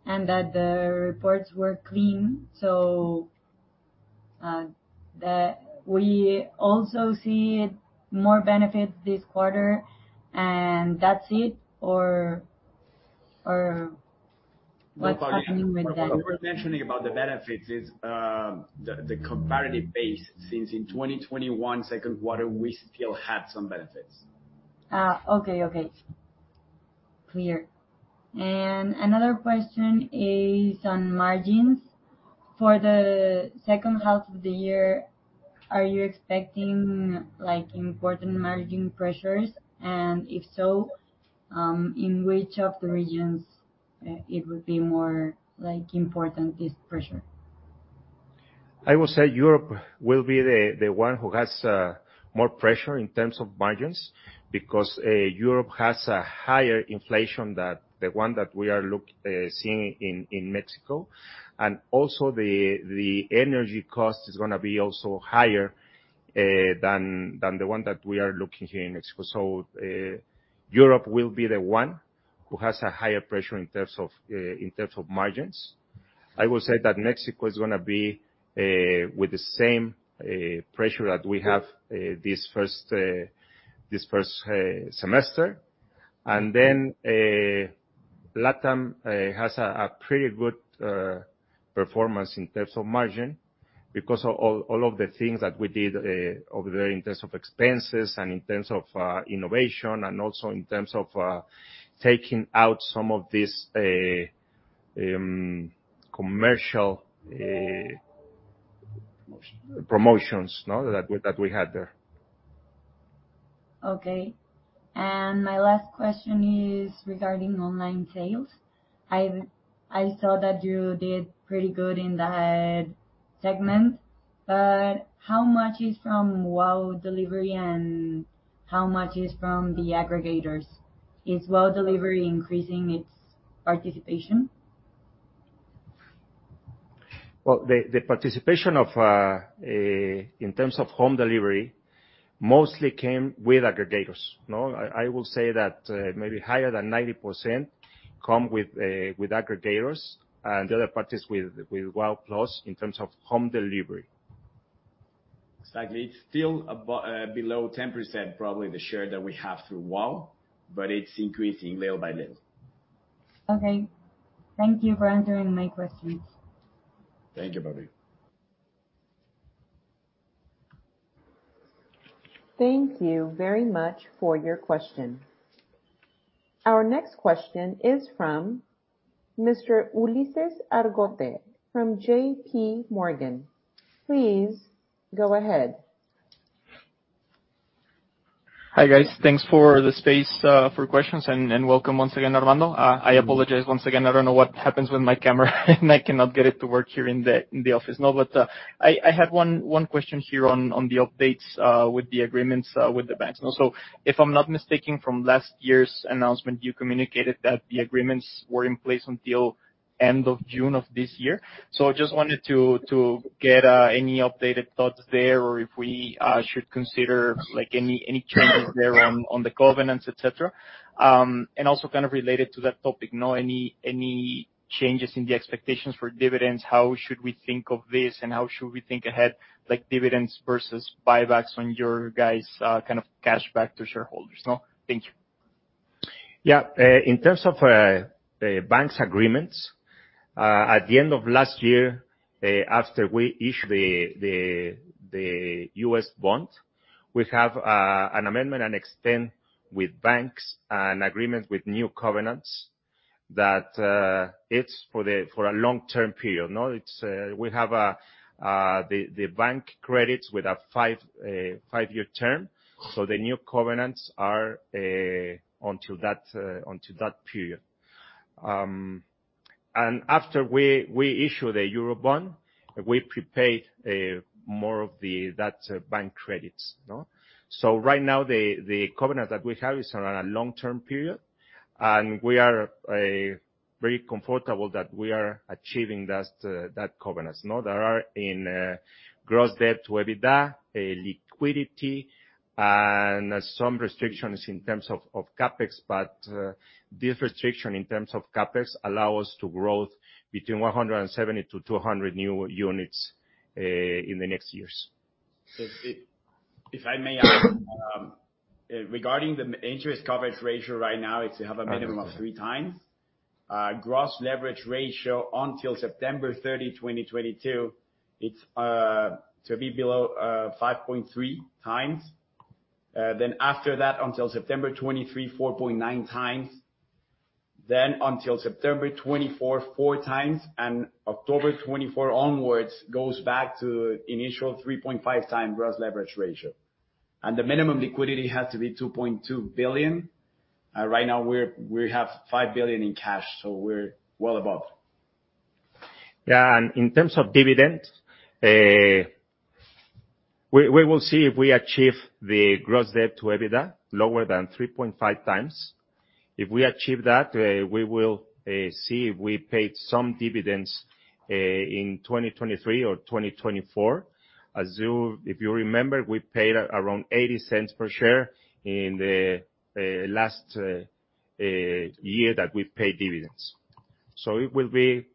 and that the reports were clean. We also see more benefits this quarter, and that's it, or what's happening with them? What we were mentioning about the benefits is the comparative base since in 2021 second quarter we still had some benefits. Okay. Clear. Another question is on margins. For the second half of the year, are you expecting like important margin pressures? If so, in which of the regions, it would be more like important, this pressure? I will say Europe will be the one who has more pressure in terms of margins because Europe has a higher inflation than the one that we are seeing in Mexico. Also the energy cost is gonna be also higher than the one that we are seeing here in Mexico. Europe will be the one who has a higher pressure in terms of margins. I will say that Mexico is gonna be with the same pressure that we have this first semester. LatAm has a pretty good performance in terms of margin because of all of the things that we did over there in terms of expenses and in terms of innovation and also in terms of taking out some of these commercial, promotions, no, that we had there. Okay. My last question is regarding online sales. I saw that you did pretty good in that segment, but how much is from WOW+ delivery and how much is from the aggregators? Is WOW+ delivery increasing its participation? Well, the participation in terms of home delivery mostly came with aggregators, no? I will say that maybe higher than 90% come with aggregators and the other parties with Wow + in terms of home delivery. Exactly. It's still below 10%, probably the share that we have through WOW+, but it's increasing little by little. Okay. Thank you for answering my questions. Thank you, Paulina. Thank you very much for your question. Our next question is from Mr. Ulises Argote from J.P. Morgan. Please go ahead. Hi, guys. Thanks for the space for questions and welcome once again, Armando. I apologize once again. I don't know what happens with my camera, and I cannot get it to work here in the office. I had one question here on the updates with the agreements with the banks. Also, if I'm not mistaken, from last year's announcement you communicated that the agreements were in place until end of June of this year. I just wanted to get any updated thoughts there or if we should consider like any changes there on the governance, et cetera. Also kind of related to that topic, know any changes in the expectations for dividends, how should we think of this, and how should we think ahead, like dividends versus buybacks on your guys' kind of cash back to shareholders? No, thank you. Yeah. In terms of bank agreements, at the end of last year, after we issued the U.S. bond, we have an amendment and extension with banks an agreement with new covenants that it's for a long-term period. Now we have the bank credits with a five year term. So the new covenants are until that period. And after we issue the Eurobond, we prepaid more of that bank credits, no? So right now the covenant that we have is on a long-term period, and we are very comfortable that we are achieving that covenants, no? There are in gross debt to EBITDA, liquidity and some restrictions in terms of CapEx, but this restriction in terms of CapEx allow us to growth between 170-200 new units in the next years. If I may add, regarding the interest coverage ratio right now, it has a minimum of 3x. Gross leverage ratio until September 30, 2022, it is to be below 5.3x. Then after that, until September 2023, 4.9x. Then until September 2024, 4x, and October 2024 onwards, it goes back to initial 3.5x gross leverage ratio. The minimum liquidity has to be 2.2 billion. Right now we have 5 billion in cash, so we're well above. Yeah. In terms of dividend, we will see if we achieve the gross debt to EBITDA lower than 3.5x. If we achieve that, we will see if we pay some dividends in 2023 or 2024. If you remember, we paid around 0.80 per share in the last year that we paid dividends. It will be,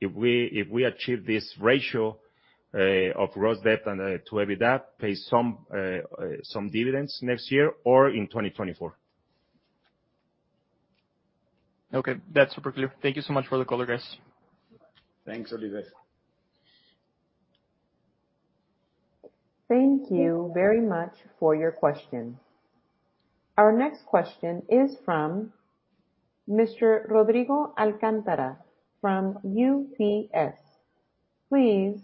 if we achieve this ratio of gross debt to EBITDA, pay some dividends next year or in 2024. Okay. That's super clear. Thank you so much for the call, guys. Thanks, Ulises. Thank you very much for your question. Our next question is from Mr. Rodrigo Alcántara from UBS. Please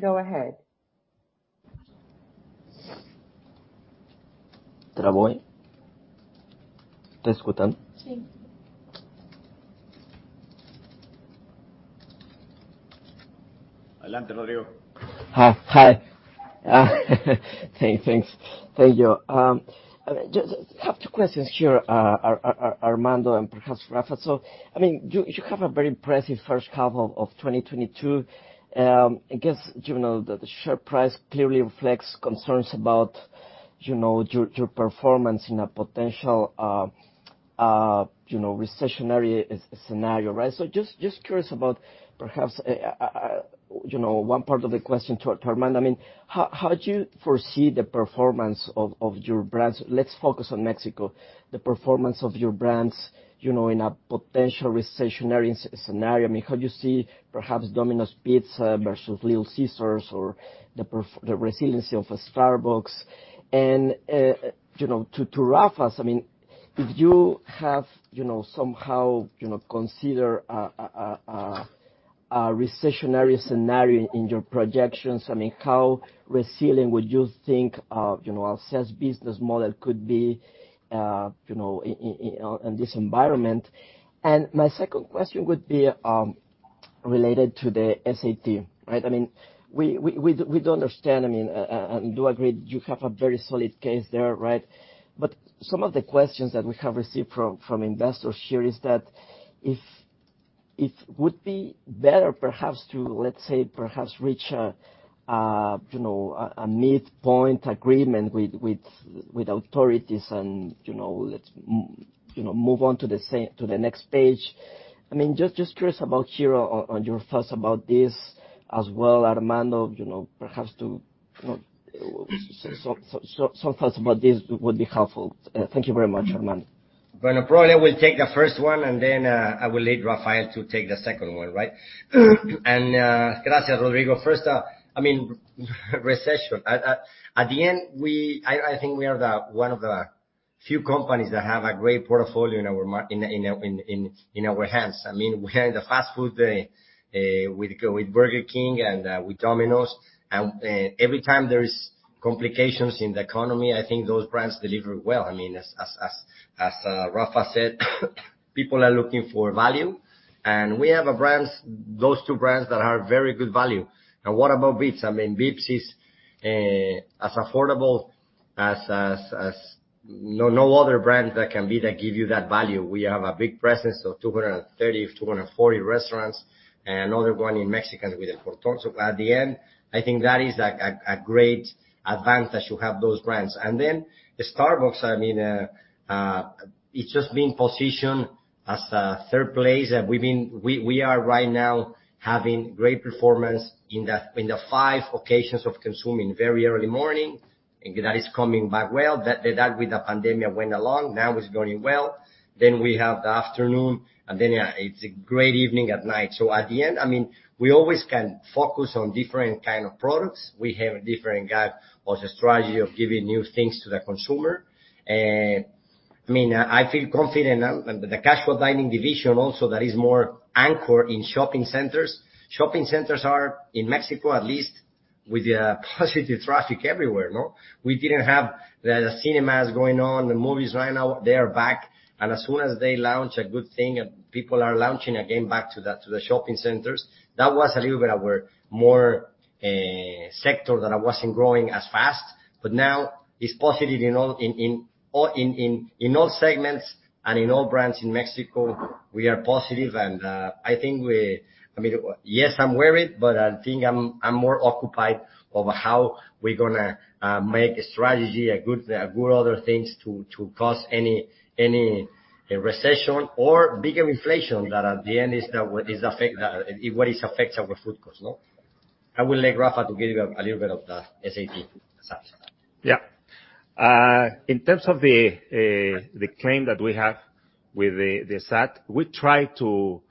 go ahead. Rodrigo. Hi. Thanks. Thank you. Just have two questions here, Armando and perhaps Rafa. I mean, you have a very impressive first half of 2022. I guess, you know, the share price clearly reflects concerns about, you know, your performance in a potential recessionary scenario, right? Just curious about perhaps one part of the question to Armando. I mean, how do you foresee the performance of your brands? Let's focus on Mexico, the performance of your brands, you know, in a potential recessionary scenario. I mean, how do you see perhaps Domino's Pizza versus Little Caesars or the resiliency of a Starbucks? You know, to Rafa, I mean, if you have, you know, somehow, you know, consider a recessionary scenario in your projections, I mean, how resilient would you think, you know, Alsea's business model could be, you know, in this environment? My second question would be related to the SAT, right? I mean, we do understand, I mean, and do agree you have a very solid case there, right? But some of the questions that we have received from investors here is that if it would be better perhaps to, let's say, perhaps reach a midpoint agreement with authorities and, you know, let's move on to the next page. I mean, just curious to hear your thoughts about this as well, Armando. You know, perhaps too, you know, some thoughts about this would be helpful. Thank you very much, Armando. Well, probably I will take the first one, and then I will let Rafael take the second one, right? Gracias, Rodrigo. First off, I mean, recession. At the end, I think we are one of the few companies that have a great portfolio in our hands. I mean, we are in the fast food with Burger King and with Domino's. Every time there is complications in the economy, I think those brands deliver well. I mean, as Rafa said, people are looking for value, and we have a brands, those two brands that are very good value. What about Vips? I mean, Vips is as affordable as no other brand that can give you that value. We have a big presence of 230-240 restaurants, another one in Mexico with El Portón. At the end, I think that is a great advantage to have those brands. Then Starbucks, I mean, it's just being positioned as a third place. We are right now having great performance in the five occasions of consuming very early morning, and that is coming back well. That with the pandemic went away, now it's going well. We have the afternoon, and then, yeah, it's a great evening at night. At the end, I mean, we always can focus on different kind of products. We have a different strategy of giving new things to the consumer. I mean, I feel confident. The casual dining division also that is more anchored in shopping centers. Shopping centers are, in Mexico at least, with positive traffic everywhere, no? We didn't have the cinemas going on, the movies right now, they are back. As soon as they launch, a good thing, people are launching again back to the shopping centers. That was a little bit more of a sector that wasn't growing as fast. Now it's positive in all segments and in all brands in Mexico, we are positive. I mean, yes, I'm worried, but I think I'm more occupied over how we're gonna make a strategy, a good other things to cause any recession or bigger inflation that at the end is affecting. What affects our food costs, no? I will let Rafael Contreras to give you a little bit of the SAT. In terms of the claim that we have with the SAT, we try to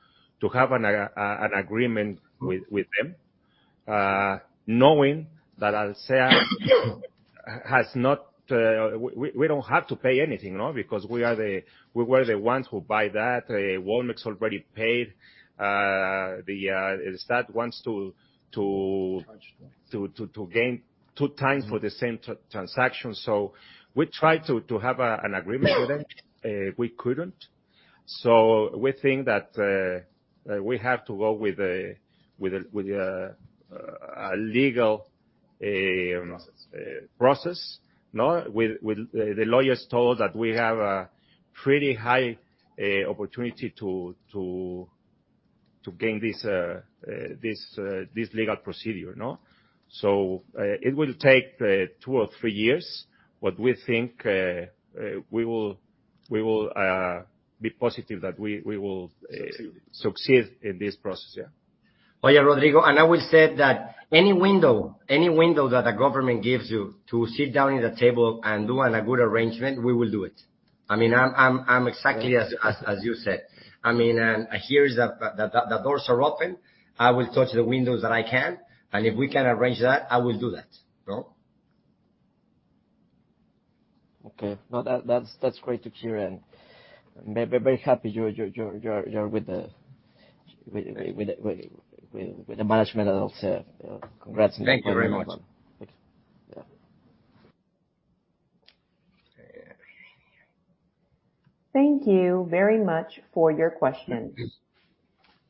have an agreement with them, knowing that Alsea has not. We don't have to pay anything, no? Because we were the ones who buy that. Walmex already paid. The SAT wants to. To gain two times for the same transaction. We tried to have an agreement with them, we couldn't. We think that we have to go with a legal process. No? What the lawyers told that we have a pretty high opportunity to gain this legal procedure. No? It will take two or three years, but we think we will be positive that we will succeed in this process, yeah. Oh, yeah, Rodrigo, I will say that any window that a government gives you to sit down at the table and do a good arrangement, we will do it. I mean, I'm exactly as you said. I mean, here is the doors are open, I will touch the windows that I can, and if we can arrange that, I will do that. No? Okay. No, that's great to hear, and very happy you're with the management itself. Congrats. Thank you very much. Thanks. Yeah. Thank you very much for your questions.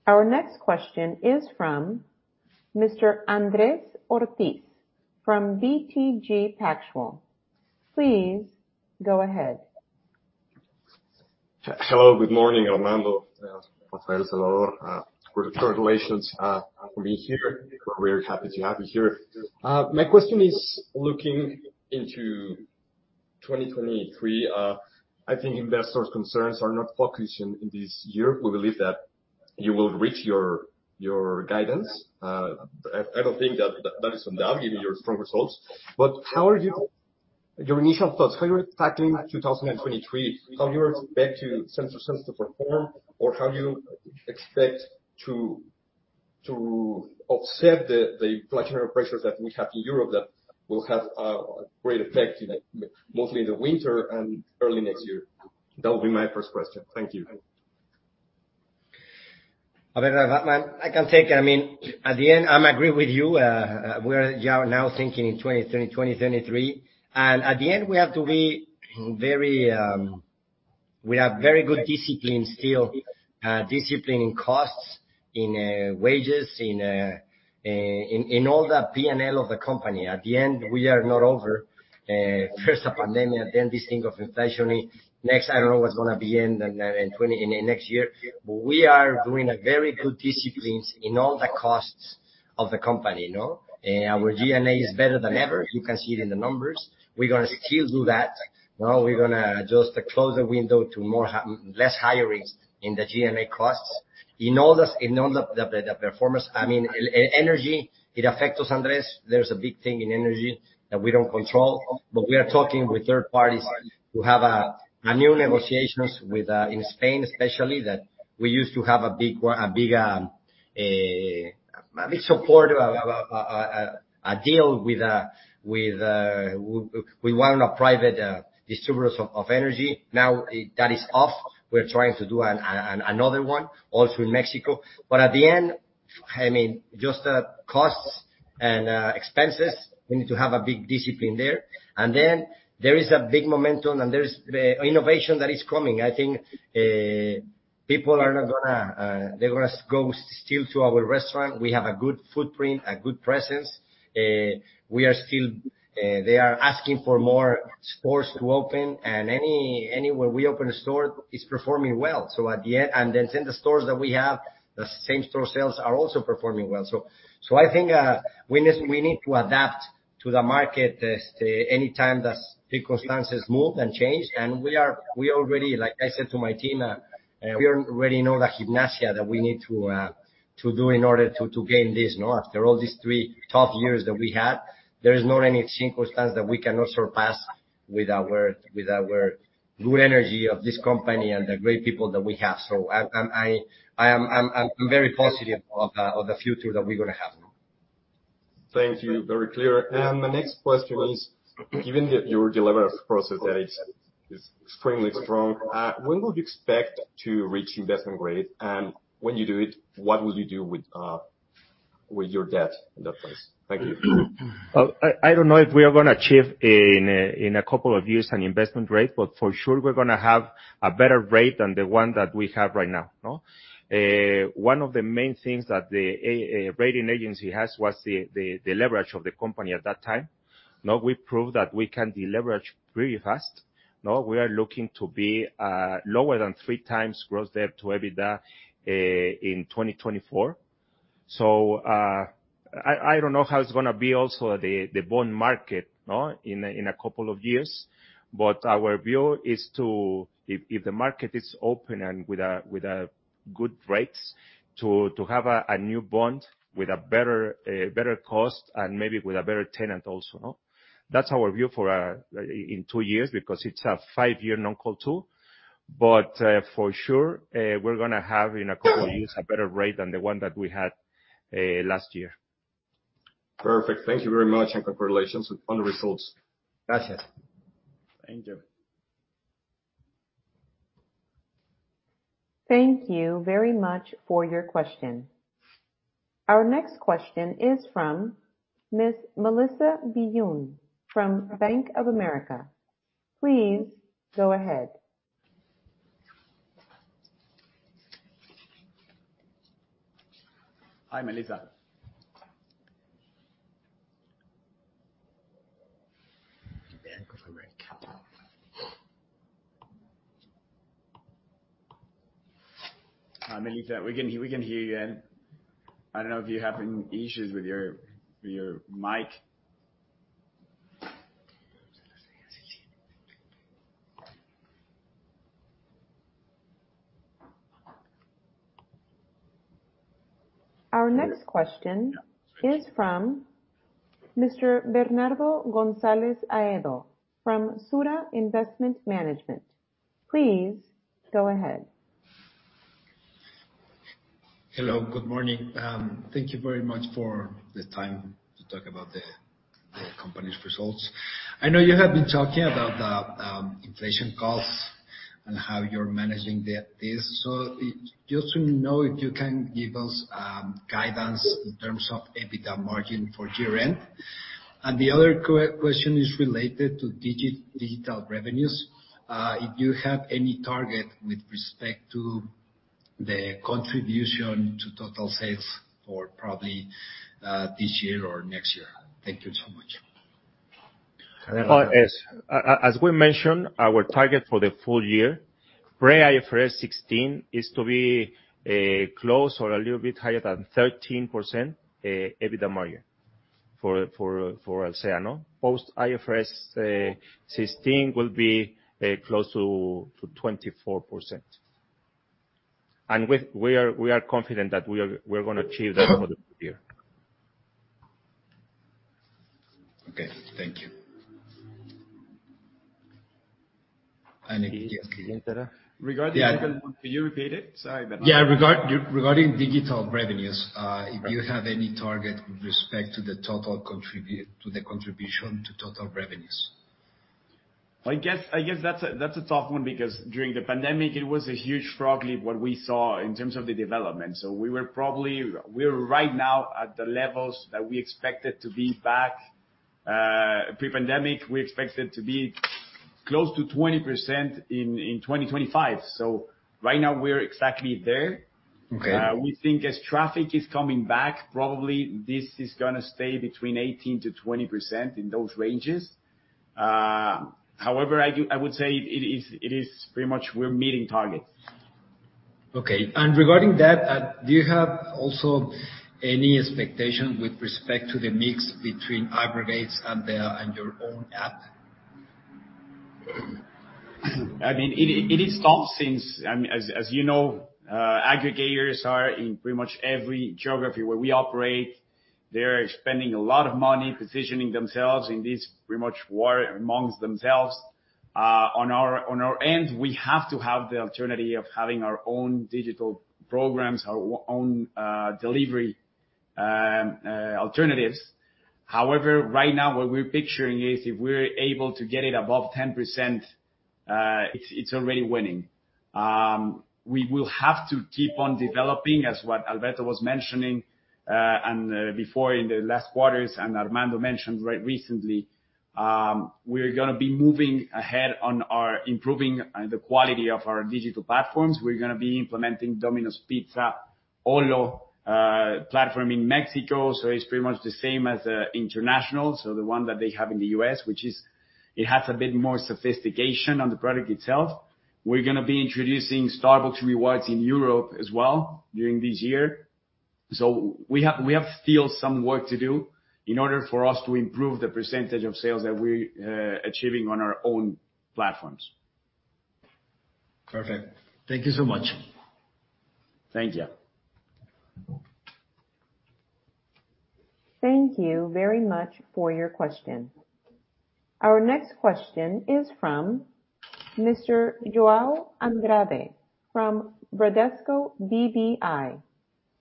Our next question is from Mr. Andrés Ortiz from BTG Pactual. Please go ahead. Hello, good morning, Armando. Rafael, Salvador. Congratulations for being here. We're happy to have you here. My question is looking into 2023. I think investors' concerns are not focused in this year. We believe that you will reach your guidance. I don't think that is in doubt given your strong results. How are your initial thoughts, how are you tackling 2023? How you expect cost centers to perform or how you expect to offset the inflationary pressures that we have in Europe that will have a great effect mostly in the winter and early next year? That would be my first question. Thank you. I can take it. I mean, at the end, I agree with you. We are now thinking in 2020, 2023. At the end, we have to be very, we have very good discipline still. Discipline in costs, in wages, in all the P&L of the company. At the end, we are not over, first a pandemic, then this thing of inflation. Next, I don't know what's gonna be in the, in next year. We are doing a very good discipline in all the costs of the company, no? Our G&A is better than ever. You can see it in the numbers. We're gonna still do that. Now we're gonna just close the window to less hiring in the G&A costs. In all the performance, I mean, energy, it affects us, Andrés. There's a big thing in energy that we don't control. We are talking with third parties to have a new negotiation with in Spain, especially, that we used to have a big one, a big support, a deal with. We had a private deal with distributors of energy. Now, that is off. We're trying to do another one, also in Mexico. At the end, I mean, just costs and expenses, we need to have a big discipline there. There is a big momentum, and there is innovation that is coming. I think, people are not gonna, they're gonna go still to our restaurant. We have a good footprint, a good presence. We are still. They are asking for more stores to open, and any. When we open a store, it's performing well. At the end, the same stores that we have, the same store sales are also performing well. I think we need to adapt to the market as to any time that circumstances move and change. We are already, like I said to my team, we already know the gimnasia that we need to do in order to gain this, no? After all these three tough years that we had, there is not any circumstance that we cannot surpass with our good energy of this company and the great people that we have. I'm very positive of the future that we're gonna have. Thank you. Very clear. My next question is, given your delivery process is extremely strong, when would you expect to reach investment grade? When you do it, what would you do with your debt in that case? Thank you. I don't know if we are gonna achieve in a couple of years an investment grade, but for sure we're gonna have a better rating than the one that we have right now, no? One of the main things that the rating agency had was the leverage of the company at that time. Now we proved that we can deleverage pretty fast. Now we are looking to be lower than 3x gross debt to EBITDA in 2024. I don't know how it's gonna be also the bond market, no, in a couple of years. Our view is to if the market is open and with a good rates to have a new bond with a better cost and maybe with a better tenor also, no? That's our view for in two years because it's a five-year non-call two. For sure, we're gonna have in a couple of years a better rate than the one that we had last year. Perfect. Thank you very much, and congratulations on the results. Gracias. Thank you. Thank you very much for your question. Our next question is from Miss Melissa Byun from Bank of America. Please go ahead. Hi, Melissa. [inaudible] Hi, Melissa, we can hear you again. I don't know if you're having issues with your mic. Our next question is from Mr. Bernardo González Ahedo from SURA Investment Management. Please go ahead. Hello, good morning. Thank you very much for the time to talk about the company's results. I know you have been talking about the inflation costs and how you're managing this. Just to know if you can give us guidance in terms of EBITDA margin for year-end. The other question is related to digital revenues. If you have any target with respect to the contribution to total sales for probably this year or next year. Thank you so much. As we mentioned, our target for the full year, pre-IFRS 16, is to be close or a little bit higher than 13% EBITDA margin for Alsea, no? Post IFRS 16 will be close to 24%. We are confident that we're gonna achieve that for the full year. Okay. Thank you. Yes. Regarding the second one. Could you repeat it? Sorry, Bernardo. Yeah. Regarding digital revenues, if you have any target with respect to the total contribution to total revenues? I guess that's a tough one because during the pandemic it was a huge frog leap, what we saw in terms of the development. We're right now at the levels that we expected to be back pre-pandemic. We expected to be close to 20% in 2025. Right now we're exactly there. Okay. We think as traffic is coming back, probably this is gonna stay between 18%-20%, in those ranges. However, I would say it is pretty much we're meeting targets. Okay. Regarding that, do you have also any expectation with respect to the mix between aggregators and your own app? I mean, it is tough since, I mean, as you know, aggregators are in pretty much every geography where we operate. They're spending a lot of money positioning themselves in this pretty much war amongst themselves. On our end, we have to have the alternative of having our own digital programs, our own delivery alternatives. However, right now what we're picturing is if we're able to get it above 10%, it's already winning. We will have to keep on developing, as what Alberto was mentioning, before in the last quarters and Armando mentioned just recently, we're gonna be moving ahead on our improving the quality of our digital platforms. We're gonna be implementing Domino's Pizza Olo platform in Mexico. It's pretty much the same as the international, so the one that they have in the U.S. which is, it has a bit more sophistication on the product itself. We're gonna be introducing Starbucks Rewards in Europe as well during this year. We have still some work to do in order for us to improve the percentage of sales that we're achieving on our own platforms. Perfect. Thank you so much. Thank you. Thank you very much for your question. Our next question is from Mr. João Andrade from Bradesco BBI.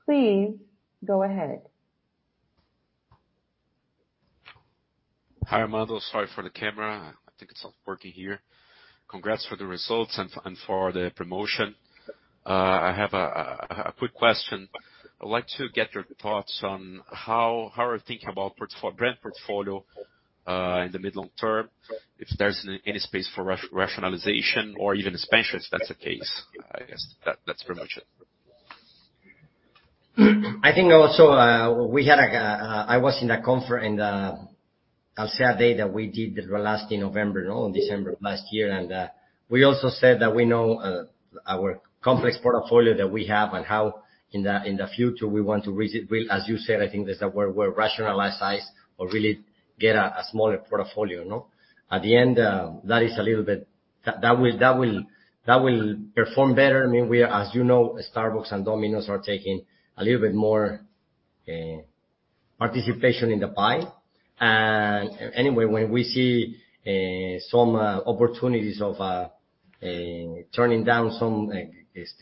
Please go ahead. Hi, Armando. Sorry for the camera. I think it's not working here. Congrats for the results and for the promotion. I have a quick question. I'd like to get your thoughts on how you're thinking about brand portfolio in the mid-long term, if there's any space for rationalization or even expansions if that's the case. I guess that's pretty much it. I think also, we had a I was in the Alsea Day that we did the last in November, no, in December of last year. We also said that we know our complex portfolio that we have and how in the future we want to well, as you said, I think that's a word, where rationalize, size or really get a smaller portfolio, no? At the end, that is a little bit. That will perform better. I mean, we're. As you know, Starbucks and Domino's are taking a little bit more participation in the pie. Anyway, when we see some opportunities of turning down some, like, these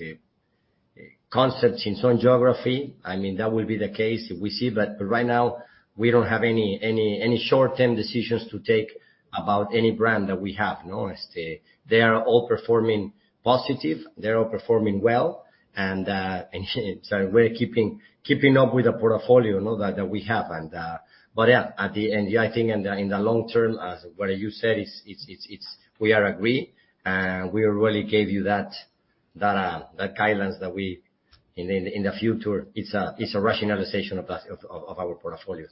concepts in some geography, I mean, that will be the case if we see. Right now, we don't have any short-term decisions to take about any brand that we have. They are all performing positive, they're all performing well, and so we're keeping up with the portfolio that we have. Yeah, at the end, I think in the long term, as what you said, it's we are agree, and we really gave you that guidance that we. In the future, it's a rationalization of that of our portfolios.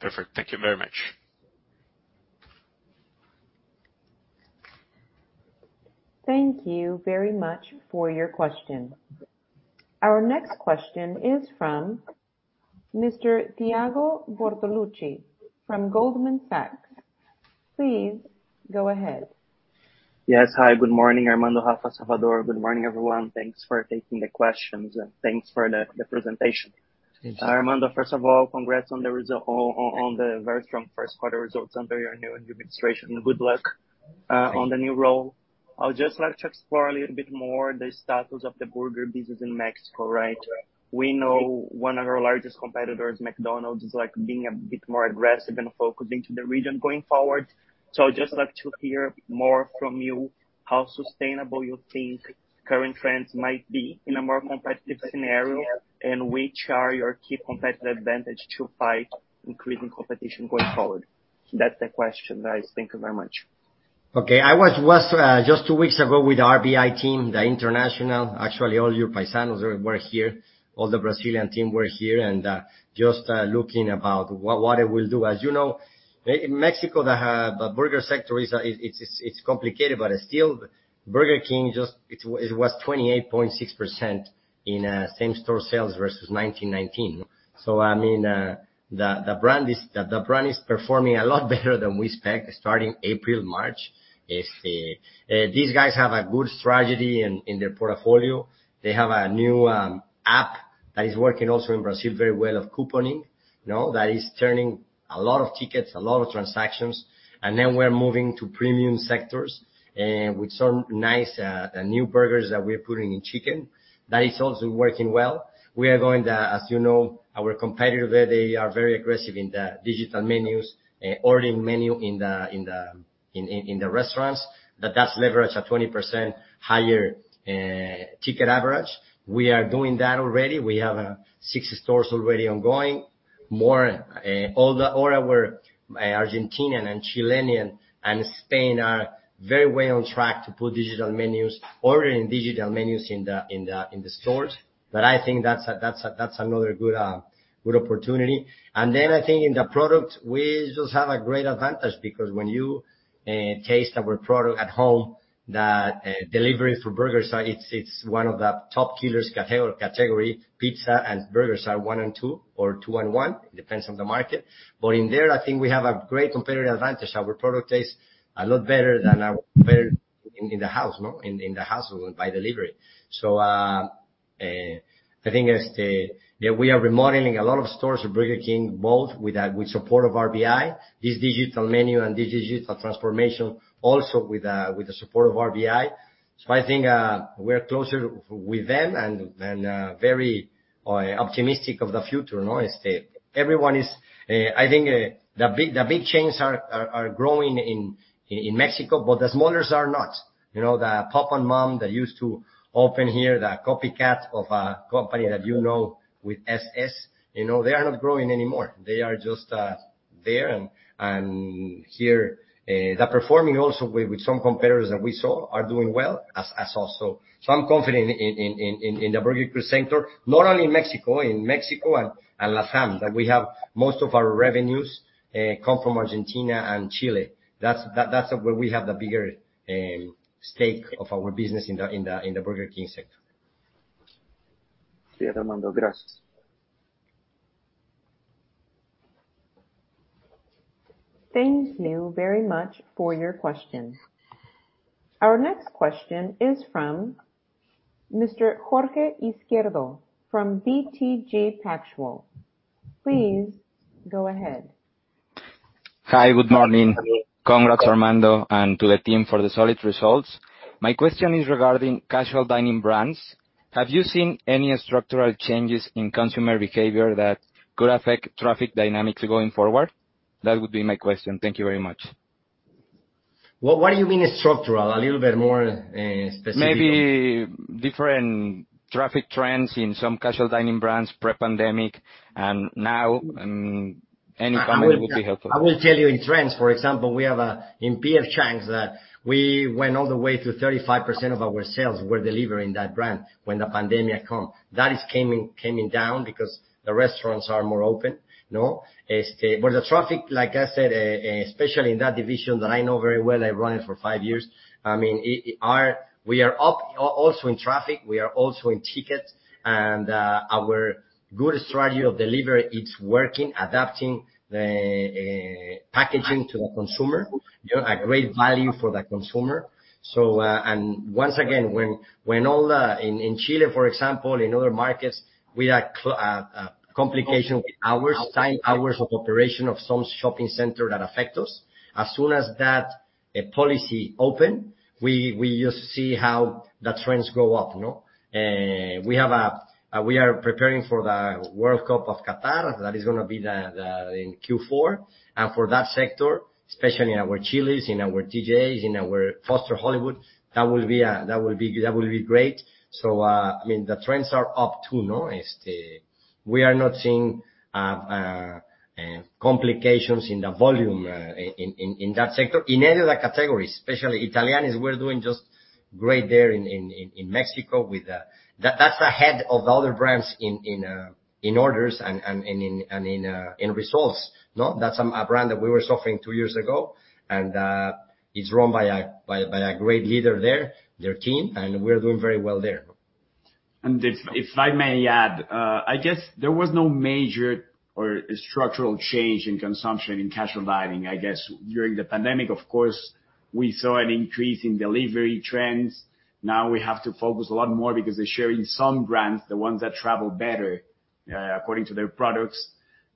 Perfect. Thank you very much. Thank you very much for your question. Our next question is from Mr. Thiago Bortoluci from Goldman Sachs. Please go ahead. Yes. Hi, good morning, Armando. Rafa, Salvador. Good morning, everyone. Thanks for taking the questions, and thanks for the presentation. Thank you. Armando, first of all, congrats on the very strong first quarter results under your new administration. Good luck On the new role. I would just like to explore a little bit more the status of the burger business in Mexico, right? We know one of our largest competitors, McDonald's, is like being a bit more aggressive and focusing to the region going forward. I'd just like to hear more from you how sustainable you think current trends might be in a more competitive scenario, and which are your key competitive advantage to fight increasing competition going forward? That's the question, guys. Thank you very much. Okay. I was just two weeks ago with the RBI team, the international. Actually, all you Paisanos were here, all the Brazilian team were here, and just looking about what it will do. As you know, Mexico, the burger sector is complicated, but still Burger King just. It was 28.6% in same store sales versus 2019. I mean, the brand is performing a lot better than we expect starting April, March. These guys have a good strategy in their portfolio. They have a new app that is working also in Brazil very well of couponing, no? That is turning a lot of tickets, a lot of transactions. We're moving to premium sectors with some nice new burgers that we're putting in chicken that is also working well. As you know, our competitor there, they are very aggressive in the digital menus ordering menu in the restaurants, that's leveraged at 20% higher ticket average. We are doing that already. We have six stores already ongoing. All our Argentine and Chilean and Spain are very well on track to put digital menus ordering digital menus in the stores. I think that's another good opportunity. I think in the product, we just have a great advantage because when you taste our product at home, the delivery for burgers, it's one of the top killer categories. Pizza and burgers are one in two or two in one, it depends on the market. I think we have a great competitive advantage. Our product tastes a lot better than our competitor in the house, no? In the house by delivery. I think that we are remodeling a lot of stores of Burger King, both with support of RBI, this digital menu and digital transformation also with the support of RBI. I think we are closer with them and very optimistic of the future, no? Everyone is, I think, the big chains are growing in Mexico, but the smaller ones are not. You know, the mom and pop that used to open here, the copycat of a company that you know with success, you know, they are not growing anymore. They are just there. Here, they're performing also with some competitors that we saw are doing well also. I'm confident in the burger sector, not only in Mexico but in Mexico and LATAM, that we have most of our revenues come from Argentina and Chile. That's where we have the bigger stake of our business in the Burger King sector. Yeah, Armando. Gracias. Thank you very much for your question. Our next question is from Mr. Jorge Izquierdo from BTG Pactual. Please go ahead. Hi. Good morning. Good morning. Congrats, Armando and to the team for the solid results. My question is regarding casual dining brands. Have you seen any structural changes in consumer behavior that could affect traffic dynamics going forward? That would be my question. Thank you very much. What do you mean structural? A little bit more specific. Maybe different traffic trends in some casual dining brands pre-pandemic and now. Any comment would be helpful. I will tell you in trends, for example, in P.F. Chang's, we went all the way to 35% of our sales were delivered in that brand when the pandemic come. That is coming down because the restaurants are more open, no? This. The traffic, like I said, especially in that division that I know very well, I run it for five years, I mean, we are up also in traffic, we are also in tickets, and our good strategy of delivery, it's working, adapting the packaging to the consumer, you know, a great value for the consumer. Once again, when all the in Chile, for example, in other markets, we had complication with hours, time, hours of operation of some shopping center that affect us. We just see how the trends go up, no? We are preparing for the World Cup of Qatar. That is gonna be in Q4. For that sector, especially in our Chili's, in our TGI Fridays, in our Foster's Hollywood, that will be great. I mean, the trends are up too, no? We are not seeing complications in the volume in that sector. In any of the categories, especially Italianni's, we're doing just great there in Mexico. That's ahead of other brands in orders and in results. No? That's a brand that we were suffering two years ago, and it's run by a great leader there, their team, and we're doing very well there. I may add, I guess there was no major or structural change in consumption in casual dining. I guess during the pandemic, of course, we saw an increase in delivery trends. Now we have to focus a lot more because they're sharing some brands, the ones that travel better, according to their products,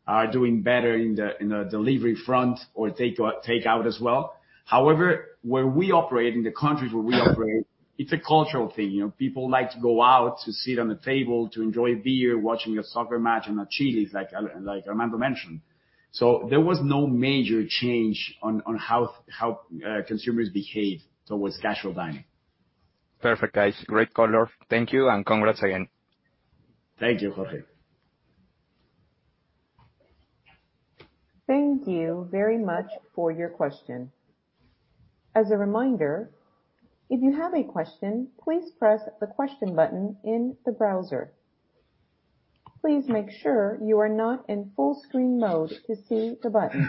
are doing better in the delivery front or take out as well. However, where we operate, in the countries where we operate, it's a cultural thing. You know? People like to go out to sit on a table to enjoy beer, watching a soccer match in a Chili's, like Armando mentioned. There was no major change on how consumers behave towards casual dining. Perfect, guys. Great color. Thank you, and congrats again. Thank you, Jorge. Thank you very much for your question. As a reminder, if you have a question, please press the question button in the browser. Please make sure you are not in full screen mode to see the button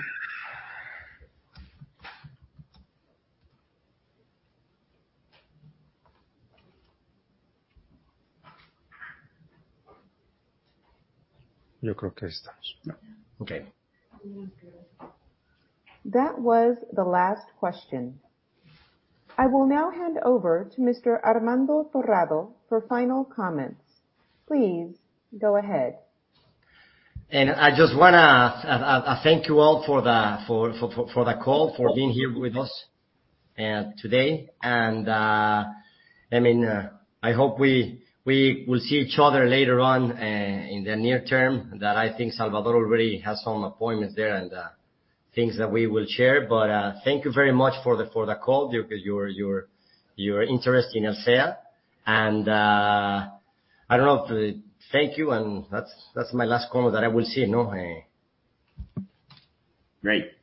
That was the last question. I will now hand over to Mr. Armando Torrado for final comments. Please go ahead. I just wanna thank you all for the call, for being here with us today. I mean, I hope we will see each other later on in the near term, that I think Salvador already has some appointments there and things that we will share. Thank you very much for the call, your interest in Alsea. I don't know if. Thank you, and that's my last comment that I will say, no? Great.